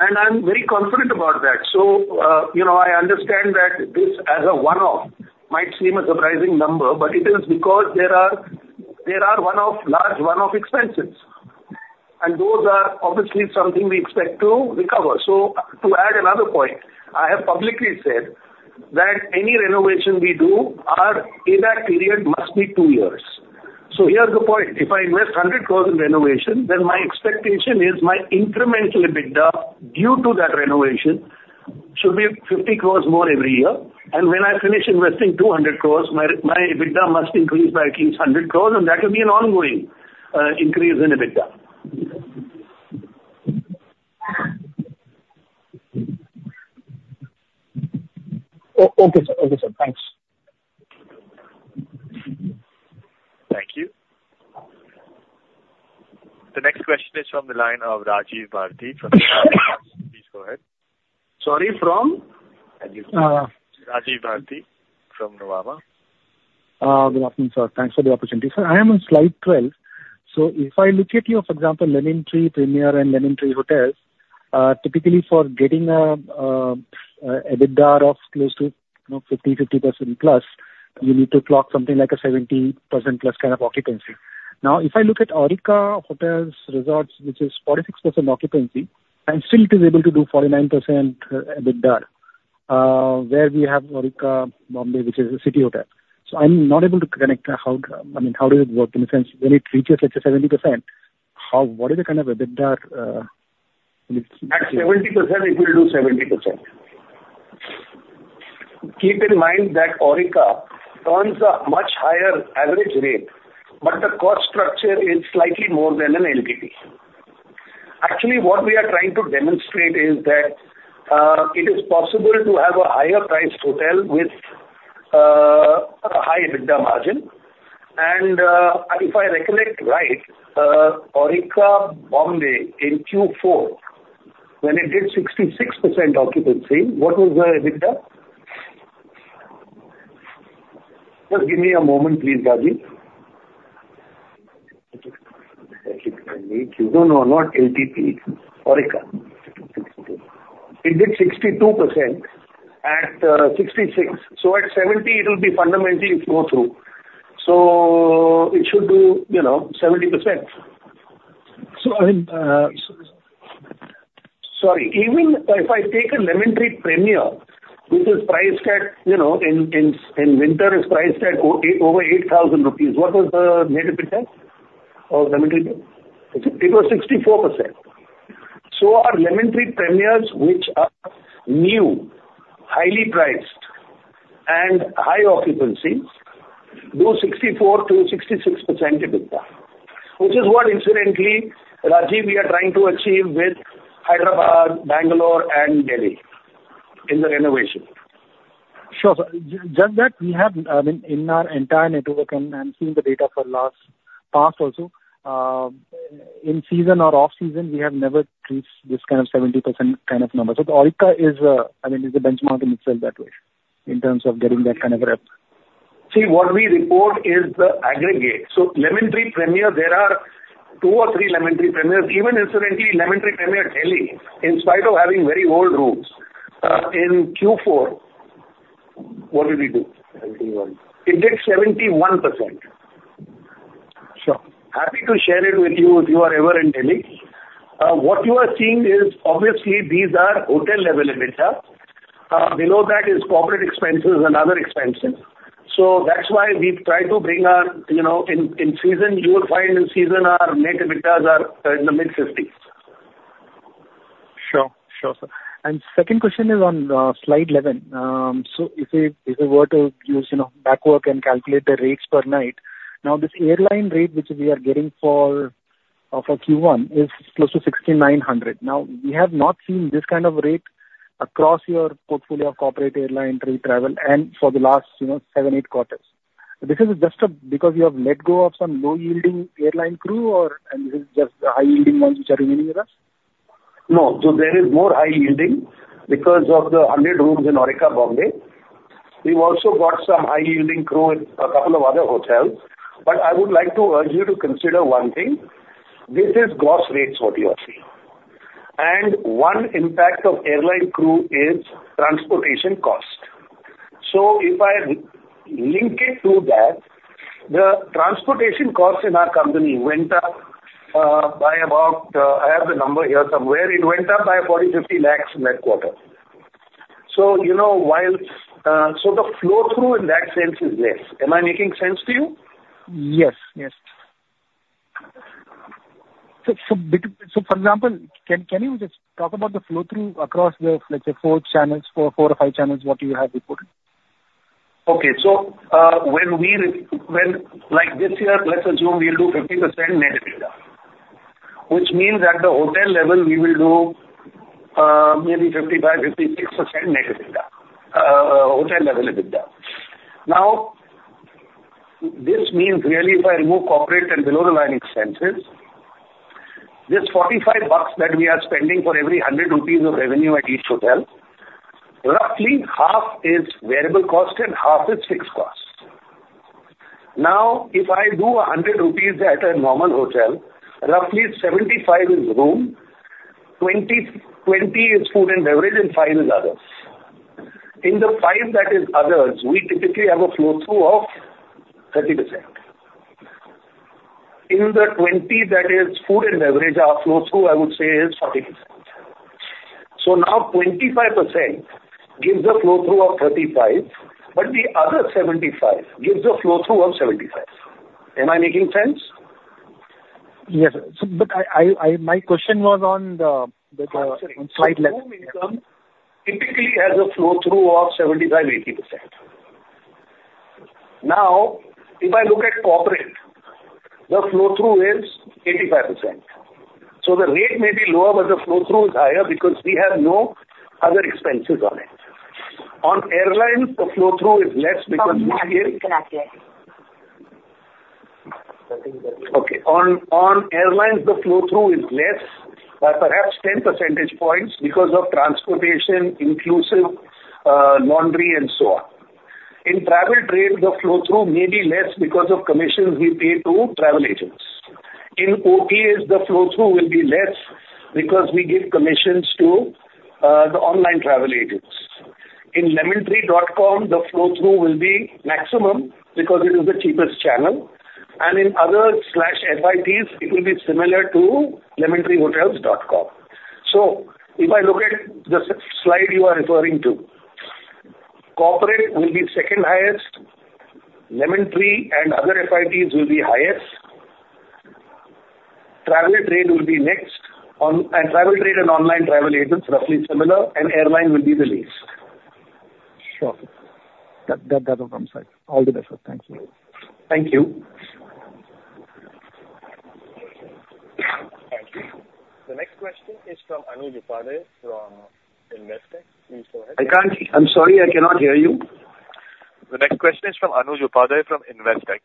And I'm very confident about that. So, you know, I understand that this as a one-off might seem a surprising number, but it is because there are one-off, large one-off expenses. And those are obviously something we expect to recover. So to add another point, I have publicly said that any renovation we do, our EBITDA period must be 2 years. So here's the point. If I invest 100 crore in renovation, then my expectation is my incremental EBITDA due to that renovation should be 50 crore more every year. And when I finish investing 200 crore, my EBITDA must increase by at least 100 crore, and that will be an ongoing increase in EBITDA. Okay, sir. Okay, sir. Thanks. Thank you. The next question is from the line of Rajiv Bharati. Please go ahead. Sorry, from? Rajiv Bharati from Nuvama. Good afternoon, sir. Thanks for the opportunity. Sir, I am on slide 12. So if I look at your, for example, Lemon Tree Premier and Lemon Tree Hotel, typically for getting an EBITDA of close to 50% plus, you need to clock something like a 70% plus kind of occupancy. Now, if I look at Aurika Hotels & Resorts, which is 46% occupancy, and still it is able to do 49% EBITDA, where we have Aurika Mumbai, which is a city hotel. So I'm not able to connect how, I mean, how does it work in the sense when it reaches at the 70%, what is the kind of EBITDA? 70%, it will do 70%. Keep in mind that Aurika earns a much higher average rate, but the cost structure is slightly more than an LTP. Actually, what we are trying to demonstrate is that it is possible to have a higher-priced hotel with a high EBITDA margin. If I recollect right, Aurika Mumbai in Q4, when it did 66% occupancy, what was their EBITDA? Just give me a moment, please, Rajiv. Thank you. No, no, not LTT. Aurika. It did 62% at 66. So at 70, it will be fundamentally go through. So it should do, you know, 70%. So, I mean, sorry, even if I take a Lemon Tree Premier, which is priced at, you know, in winter, is priced at over 8,000 rupees, what was the net EBITDA of Lemon Tree Premier? It was 64%. So our Lemon Tree Premiers, which are new, highly priced, and high occupancy, those 64%-66% EBITDA, which is what incidentally, Rajiv, we are trying to achieve with Hyderabad, Bangalore, and Delhi in the renovation. Sure, sir. Just that we have, I mean, in our entire network and seen the data for last past also, in season or off season, we have never reached this kind of 70% kind of number. So Aurika is, I mean, is a benchmark in itself that way, in terms of getting that kind of RevPAR. See, what we report is the aggregate. So Lemon Tree Premiers, there are two or three Lemon Tree Premiers, even incidentally, Lemon Tree Premier Delhi, in spite of having very old rooms, in Q4, what did we do? It did 71%. Sure. Happy to share it with you if you are ever in Delhi. What you are seeing is obviously these are hotel-level EBITDA. Below that is corporate expenses and other expenses. So that's why we've tried to bring our, you know, in season, you will find in season our net EBITDAs are in the mid-50s. Sure, sure, sir. And second question is on slide 11. So if we were to use, you know, backwork and calculate the rates per night, now this airline rate, which we are getting for Q1, is close to 6,900. Now, we have not seen this kind of rate across your portfolio of corporate airline trip travel and for the last, you know, 7, 8 quarters. This is just because you have let go of some low-yielding airline crew or, and this is just the high-yielding ones which are remaining with us? No, so there is more high-yielding because of the 100 rooms in Aurika Mumbai. We've also got some high-yielding crew in a couple of other hotels. But I would like to urge you to consider one thing. This is gross rates what you are seeing. And one impact of airline crew is transportation cost. So if I link it to that, the transportation cost in our company went up by about, I have the number here somewhere, it went up by 40 lakh-50 lakh in that quarter. So, you know, while so the flow-through in that sense is less. Am I making sense to you? Yes, yes. So, for example, can you just talk about the flow-through across the, let's say, four channels, four or five channels what you have reported? Okay, so when we, like this year, let's assume we'll do 50% net EBITDA, which means at the hotel level we will do maybe 55%-56% net EBITDA, hotel level EBITDA. Now, this means really if I remove corporate and below-the-line expenses, this INR 45 that we are spending for every 100 rupees of revenue at each hotel, roughly half is variable cost and half is fixed cost. Now, if I do 100 rupees at a normal hotel, roughly 75 is room, 20 is food and beverage, and 5 is others. In the 5 that is others, we typically have a flow-through of 30%. In the 20 that is food and beverage, our flow-through, I would say, is 40%. So now 25% gives a flow-through of 35%, but the other 75% gives a flow-through of 75%. Am I making sense? Yes, but my question was on the slide 11. Typically, we have a flow-through of 75%-80%. Now, if I look at corporate, the flow-through is 85%. So the rate may be lower, but the flow-through is higher because we have no other expenses on it. On airlines, the flow-through is less because we see it. Okay. On airlines, the flow-through is less by perhaps 10 percentage points because of transportation inclusive laundry and so on. In private trade, the flow-through may be less because of commissions we pay to travel agents. In OTAs, the flow-through will be less because we give commissions to the online travel agents. In lemontree.com, the flow-through will be maximum because it is the cheapest channel. And in other slash advertisements, it will be similar to lemontreehotels.com. So if I look at the slide you are referring to, corporate will be second highest, lemon tree and other FITs will be highest, travel trade will be next, and travel trade and online travel agents roughly similar, and airline will be the least. Sure. That all comes out. All the best. Thank you. Thank you. Thank you. The next question is from Anuj Upadhyay from Investec. Please go ahead. I can't, I'm sorry, I cannot hear you. The next question is from Anuj Upadhyay from Investec.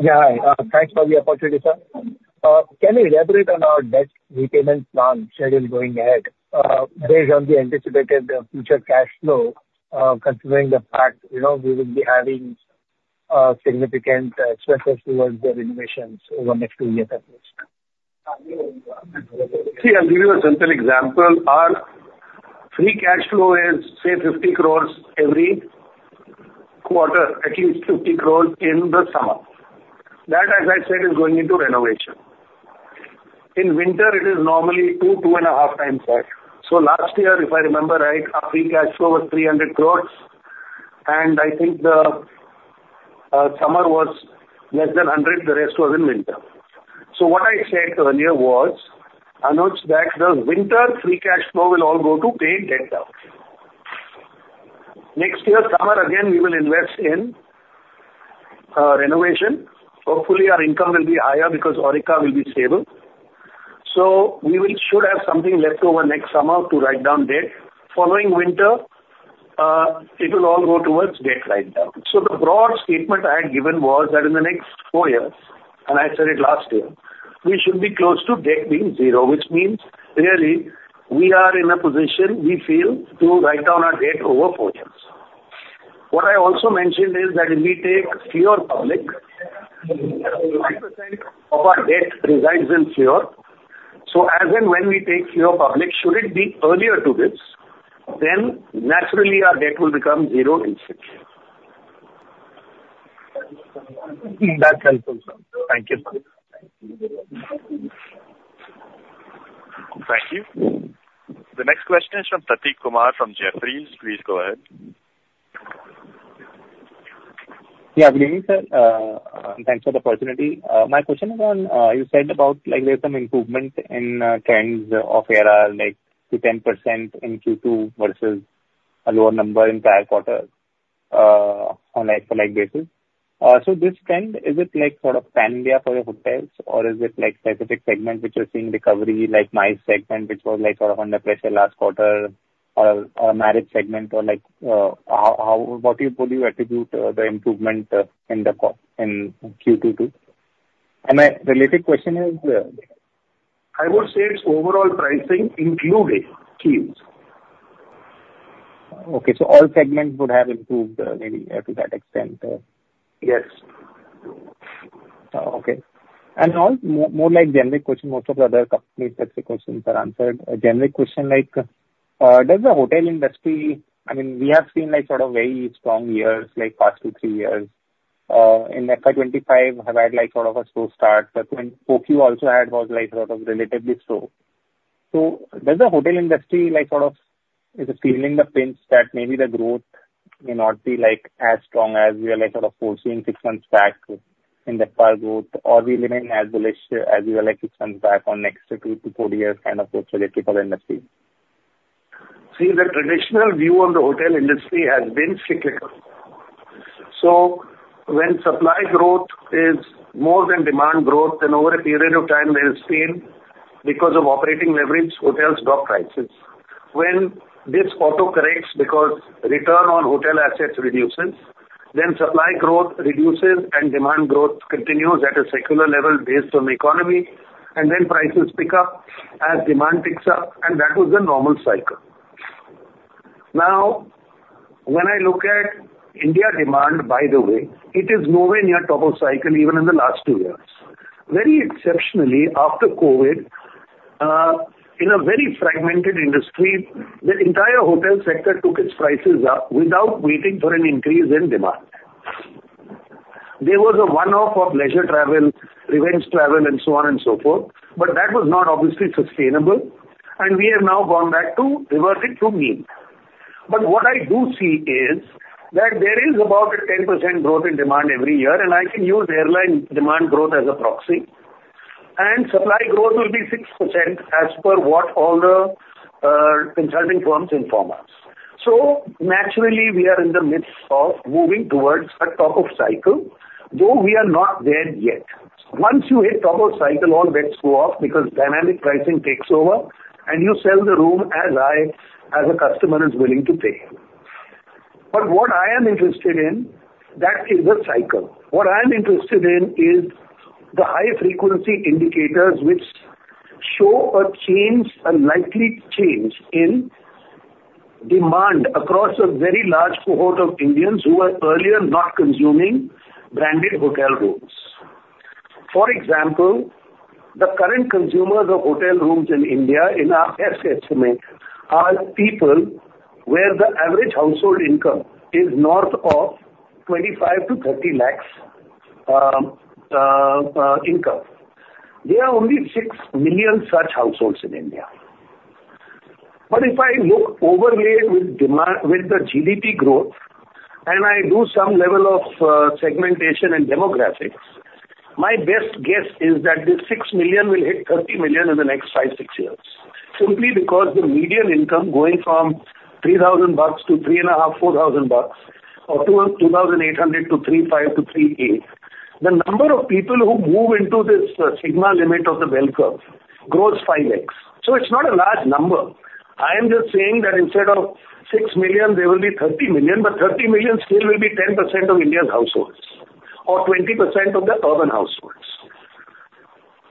Yeah, thanks for the opportunity, sir. Can I elaborate on our debt repayment plan schedule going ahead based on the anticipated future cash flow, considering the fact, you know, we will be having significant expenses towards the renovations over the next two years at least? See, I'll give you a simple example. Our free cash flow is, say, 50 crore every quarter, at least 50 crore in the summer. That, as I said, is going into renovation. In winter, it is normally two, two and a half times that. So last year, if I remember right, our free cash flow was 300 crore, and I think the summer was less than 100 crore, the rest was in winter. So what I said earlier was, Anuj, that the winter free cash flow will all go to paying debt down. Next year, summer, again, we will invest in renovation. Hopefully, our income will be higher because Aurika will be stable. So we should have something left over next summer to write down debt. Following winter, it will all go towards debt write down. So the broad statement I had given was that in the next 4 years, and I said it last year, we should be close to debt being zero, which means really we are in a position we feel to write down our debt over portions. What I also mentioned is that if we take Fleur public, 90% of our debt resides in Fleur. So as and when we take Fleur public, should it be earlier than this, then naturally our debt will become zero in That helps. Thank you. Thank you. The next question is from Prateek Kumar from Jefferies. Please go ahead. Yeah, greetings, sir. Thanks for the opportunity. My question is on, you said about like there's some improvement in trends of ARR, like 10% in Q2 versus a lower number in prior quarters on a same-store basis. So this trend, is it like sort of pan-India for the hotels, or is it like specific segments which are seeing recovery, like MICE segment, which was like sort of under pressure last quarter, or a marriage segment, or like what would you attribute the improvement in the Q2? And my related question is, I would say overall pricing includes Q2. Okay, so all segments would have improved maybe to that extent. Yes. Okay. And now, more like generic questions, most of the other company types of questions are answered. A generic question like, does the hotel industry, I mean, we have seen like sort of very strong years, like past two, three years. In FY 2025, we had like sort of a slow start. The Q2 also was like sort of relatively slow. So does the hotel industry like sort of, is it feeling the pinch that maybe the growth may not be like as strong as we are like sort of foreseeing six months back in the past growth, or we remain as bullish as we were like six months back on next two to four years kind of growth trajectory for the industry? See, the traditional view on the hotel industry has been cyclical. So when supply growth is more than demand growth, then over a period of time, we have seen because of operating leverage, hotels drop prices. When this auto-corrects because return on hotel assets reduces, then supply growth reduces and demand growth continues at a circular level based on the economy, and then prices pick up as demand picks up, and that was the normal cycle. Now, when I look at India demand, by the way, it is nowhere near top of cycle even in the last two years. Very exceptionally, after COVID, in a very fragmented industry, the entire hotel sector took its prices up without waiting for an increase in demand. There was a one-off of leisure travel, revenge travel, and so on and so forth, but that was not obviously sustainable, and we have now gone back to reverting to mean. But what I do see is that there is about a 10% growth in demand every year, and I can use airline demand growth as a proxy, and supply growth will be 6% as per what all the consulting firms inform us. So naturally, we are in the midst of moving towards a top of cycle, though we are not there yet. Once you hit top of cycle, all bets go up because dynamic pricing takes over, and you sell the room as high as a customer is willing to take it. But what I am interested in, that is the cycle. What I am interested in is the high-frequency indicators, which show a change, a likely change in demand across a very large cohort of Indians who are earlier not consuming branded hotel rooms. For example, the current consumers of hotel rooms in India, in our estimate, are people where the average household income is north of 25 lakh-30 lakh. There are only 6 million such households in India. But if I look overlay with the GDP growth, and I do some level of segmentation and demographic, my best guess is that this 6 million will hit 30 million in the next 5-6 years. Simply because the median income going from 3,000 bucks to 3,500, 4,000 bucks, or 2,800 to 3,500 to iNR 3,800, the number of people who move into this sigma limit of the bell curve grows 5x. So it's not a large number. I am just saying that instead of 6 million, there will be 30 million, but 30 million still will be 10% of Indian households or 20% of the 1,000 households.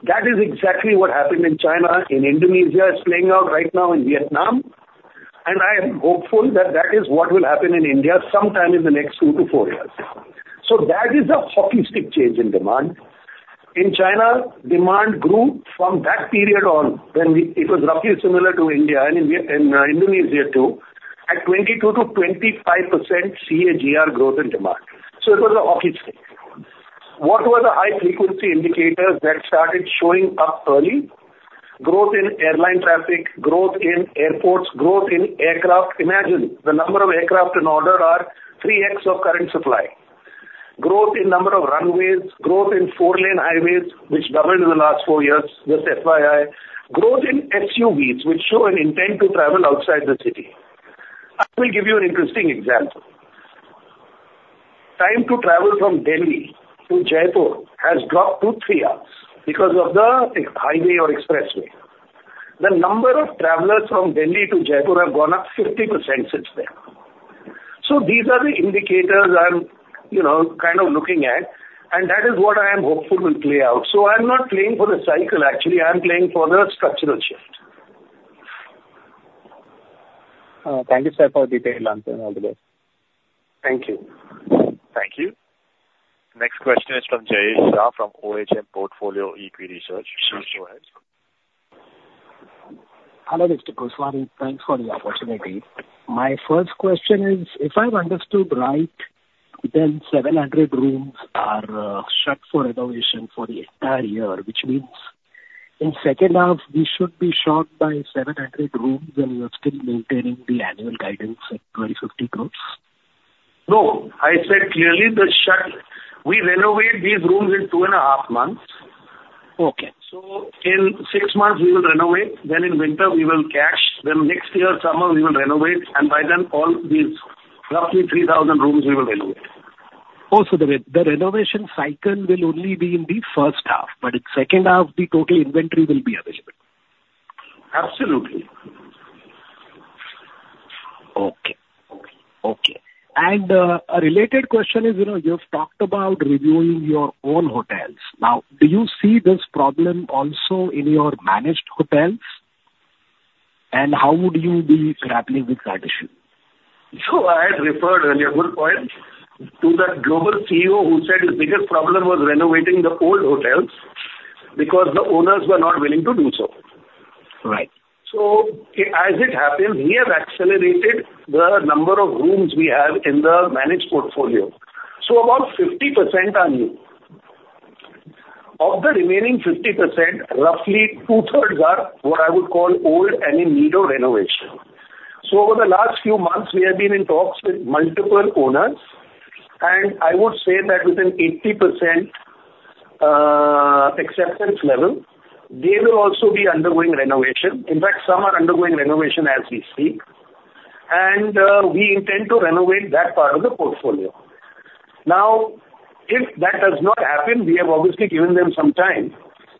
That is exactly what happened in China, in Indonesia, is playing out right now in Vietnam, and I am hopeful that that is what will happen in India sometime in the next 2-4 years. So that is a hockey stick change in demand. In China, demand grew from that period on when it was roughly similar to India and Indonesia too, at 22%-25% CAGR growth in demand. So it was a hockey stick. What were the high-frequency indicators that started showing up early? Growth in airline traffic, growth in airports, growth in aircraft. Imagine the number of aircraft in order are 3x of current supply. Growth in number of runways, growth in four-lane highways, which doubled in the last 4 years with FY 2024. Growth in SUVs, which show an intent to travel outside the city. I will give you an interesting example. Time to travel from Delhi to Jaipur has dropped to three hours because of the highway or expressway. The number of travelers from Delhi to Jaipur has gone up 50% since then. So these are the indicators I'm kind of looking at, and that is what I am hopeful will play out. So I'm not playing for the cycle. Actually, I'm playing for the structural shift. Thank you, sir, for the detailed answer. Thank you. Thank you. Next question is from Jayesh Shah from OHM Portfolio Equi Research. Please go ahead. Hello, Mr. Keswani. Thanks for the opportunity. My first question is, if I've understood right, then 700 rooms are shut for renovation for the entire year, which means in the second half, we should be short by 700 rooms. Then you're still maintaining the annual guidance at 1,250 crore? No, I said clearly the shut. We renovate these rooms in 2.5 months. Okay. So in 6 months, we will renovate. Then in winter, we will close. Then next year, summer, we will renovate. And by then, all these roughly 3,000 rooms, we will renovate. Oh, so the renovation cycle will only be in the first half, but in the second half, the total inventory will be available. Absolutely. Okay. Okay. And a related question is, you know, you've talked about reviewing your own hotels. Now, do you see this problem also in your managed hotels? And how would you be grappling with that issue? Sure. I referred earlier, good point, to the global CEO who said his biggest problem was renovating the old hotels because the owners were not willing to do so. Right. So as it happened, we have accelerated the number of rooms we have in the managed portfolio. About 50% are new. Of the remaining 50%, roughly 2/3 are what I would call old and in need of renovation. Over the last few months, we have been in talks with multiple owners, and I would say that within 80% acceptance level, they will also be undergoing renovation. In fact, some are undergoing renovation as we speak. And we intend to renovate that part of the portfolio. Now, if that does not happen, we have obviously given them some time.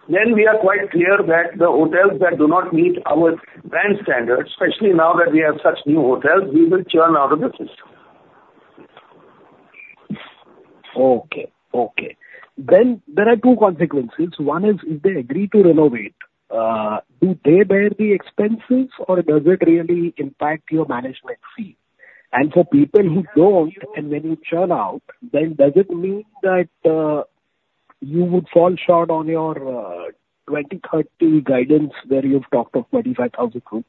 We are quite clear that the hotels that do not meet our brand standards, especially now that we have such new hotels, we will churn out of the system. Okay. Okay. There are two consequences. One is if they agree to renovate, do they bear the expenses or does it really impact your management fee? For people who don't, and when you churn out, then does it mean that you would fall short on your 2030 guidance where you've talked of 25,000 rooms?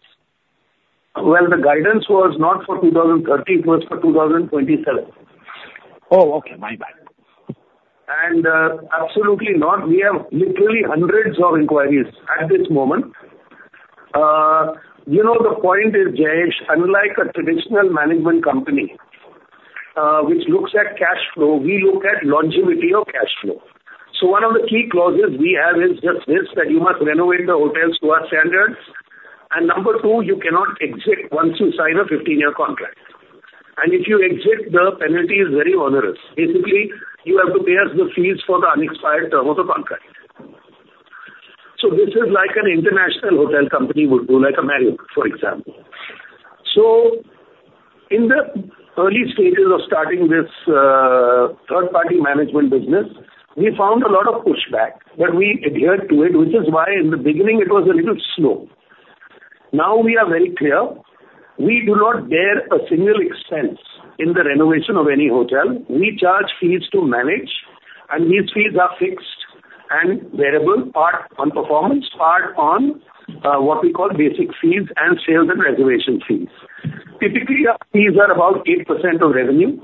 Well, the guidance was not for 2030, it was for 2027. Oh, okay. My bad. Absolutely not. We have literally hundreds of inquiries at this moment. You know, the point is, Jayesh, unlike a traditional management company, which looks at cash flow, we look at longevity of cash flow. So one of the key clauses we have is just this: that you must renovate the hotels to our standards. And number two, you cannot exit once you sign a 15-year contract. And if you exit, the penalty is very onerous. Basically, you have to pay us the fees for the unexpired term of the contract. So this is like an international hotel company would do, like a Marriott, for example. So in the early stages of starting this third-party management business, we found a lot of pushback, but we adhered to it, which is why in the beginning it was a little slow. Now we are very clear. We do not bear a single cent in the renovation of any hotel. We charge fees to manage, and these fees are fixed and variable or on performance far on what we call basic fees and sales and reservation fees. Typically, our fees are about 8% of revenue.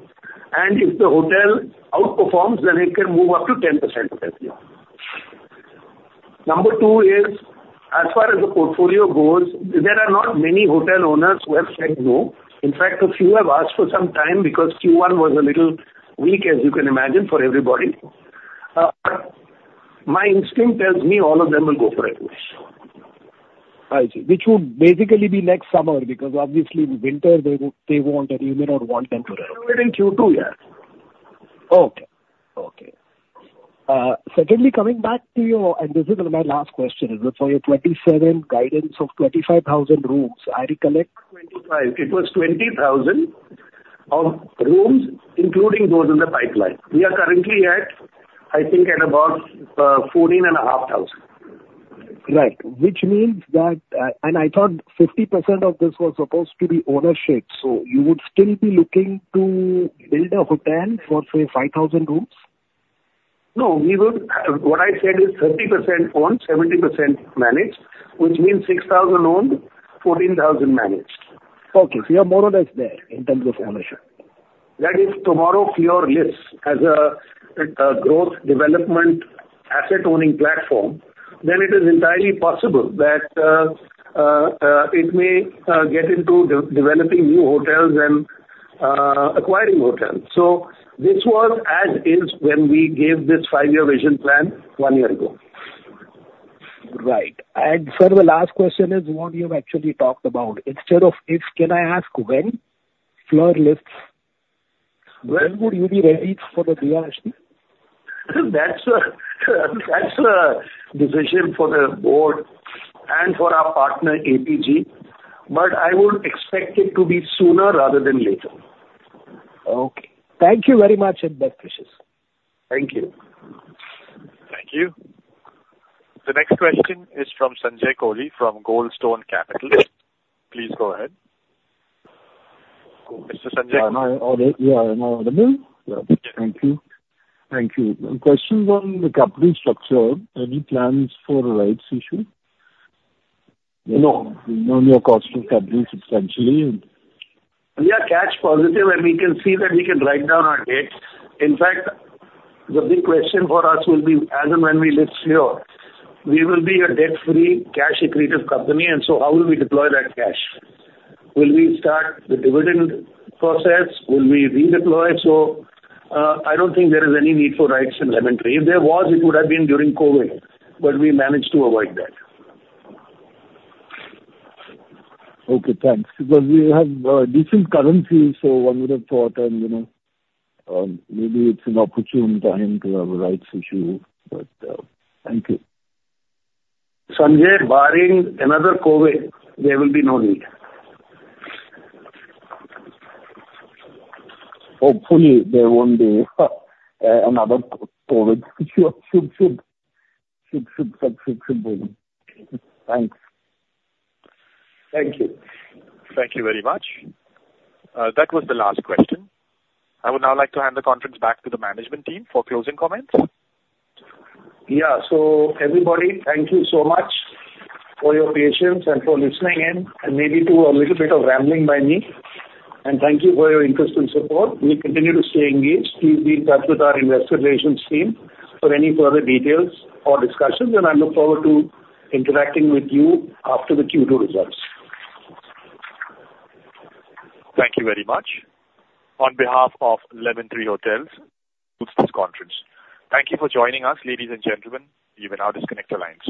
And if the hotel outperforms, then it can move up to 10% of revenue. Number two is, as far as the portfolio goes, there are not many hotel owners who have said no. In fact, a few have asked for some time because Q1 was a little weak, as you can imagine, for everybody. My instinct tells me all of them will go for renovation. I see. Which would basically be next summer because obviously in winter they won't renovate or want them to Renovate in Q2, yeah. Okay. Okay. Secondly, coming back to your, and this is my last question, is for your FY 2027 guidance of 25,000 rooms. I recollect FY 2025, it was 20,000 rooms, including those in the pipeline. We are currently at, I think, at about 14,500. Right. Which means that, and I thought 50% of this was supposed to be owned. So you would still be looking to build a hotel for, say, 5,000 rooms? No, we would, what I said is 30% owned, 70% managed, which means 6,000 owned, 14,000 managed. Okay. So you're more or less there in terms of ownership. That is, tomorrow, clearly as a growth development asset-owning platform, then it is entirely possible that it may get into developing new hotels and acquiring hotels. So this was as is when we gave this 5-year vision plan 1 year ago. Right. And sir, the last question is what you have actually talked about. Instead of if, can I ask when for listing? When would you be ready for the launch? That's a decision for the Board and for our partner APG, but I would expect it to be sooner rather than later. Okay. Thank you very much. Thank you. Thank you. The next question is from Sanjay Kohli from Goldstone Capital. Please go ahead. Mr. Sanjay. Yeah, I'm available. Thank you. Thank you. Question on the company structure, any plans for rights issue? No. No new cost to the company substantially. We are cash positive and we can see that we can write down our debt. In fact, the big question for us will be as and when we list Fleur, we will be a debt-free cash accretive company. And so how will we deploy that cash? Will we start the dividend process? Will we redeploy? So I don't think there is any need for rights in Lemon Tree. If there was, it would have been during COVID, but we managed to avoid that. Okay, thanks. Because we have decent currency, so one would have thought, and you know, maybe it's an opportune time to have a rights issue, but thank you. Sanjay, barring another COVID, there will be no need. Hopefully there won't be another COVID issue. Thanks. Thank you. Thank you very much. That was the last question. I would now like to hand the conference back to the management team for closing comments. Yeah, so everybody, thank you so much for your patience and for listening in, and maybe to a little bit of rambling by me. Thank you for your interest and support. We continue to stay engaged. Please be in touch with our investor relations team for any further details or discussions, and I look forward to interacting with you after the Q2 results. Thank you very much. On behalf of Lemon Tree Hotels, that concludes this conference. Thank you for joining us, ladies and gentlemen. You may now disconnect your lines.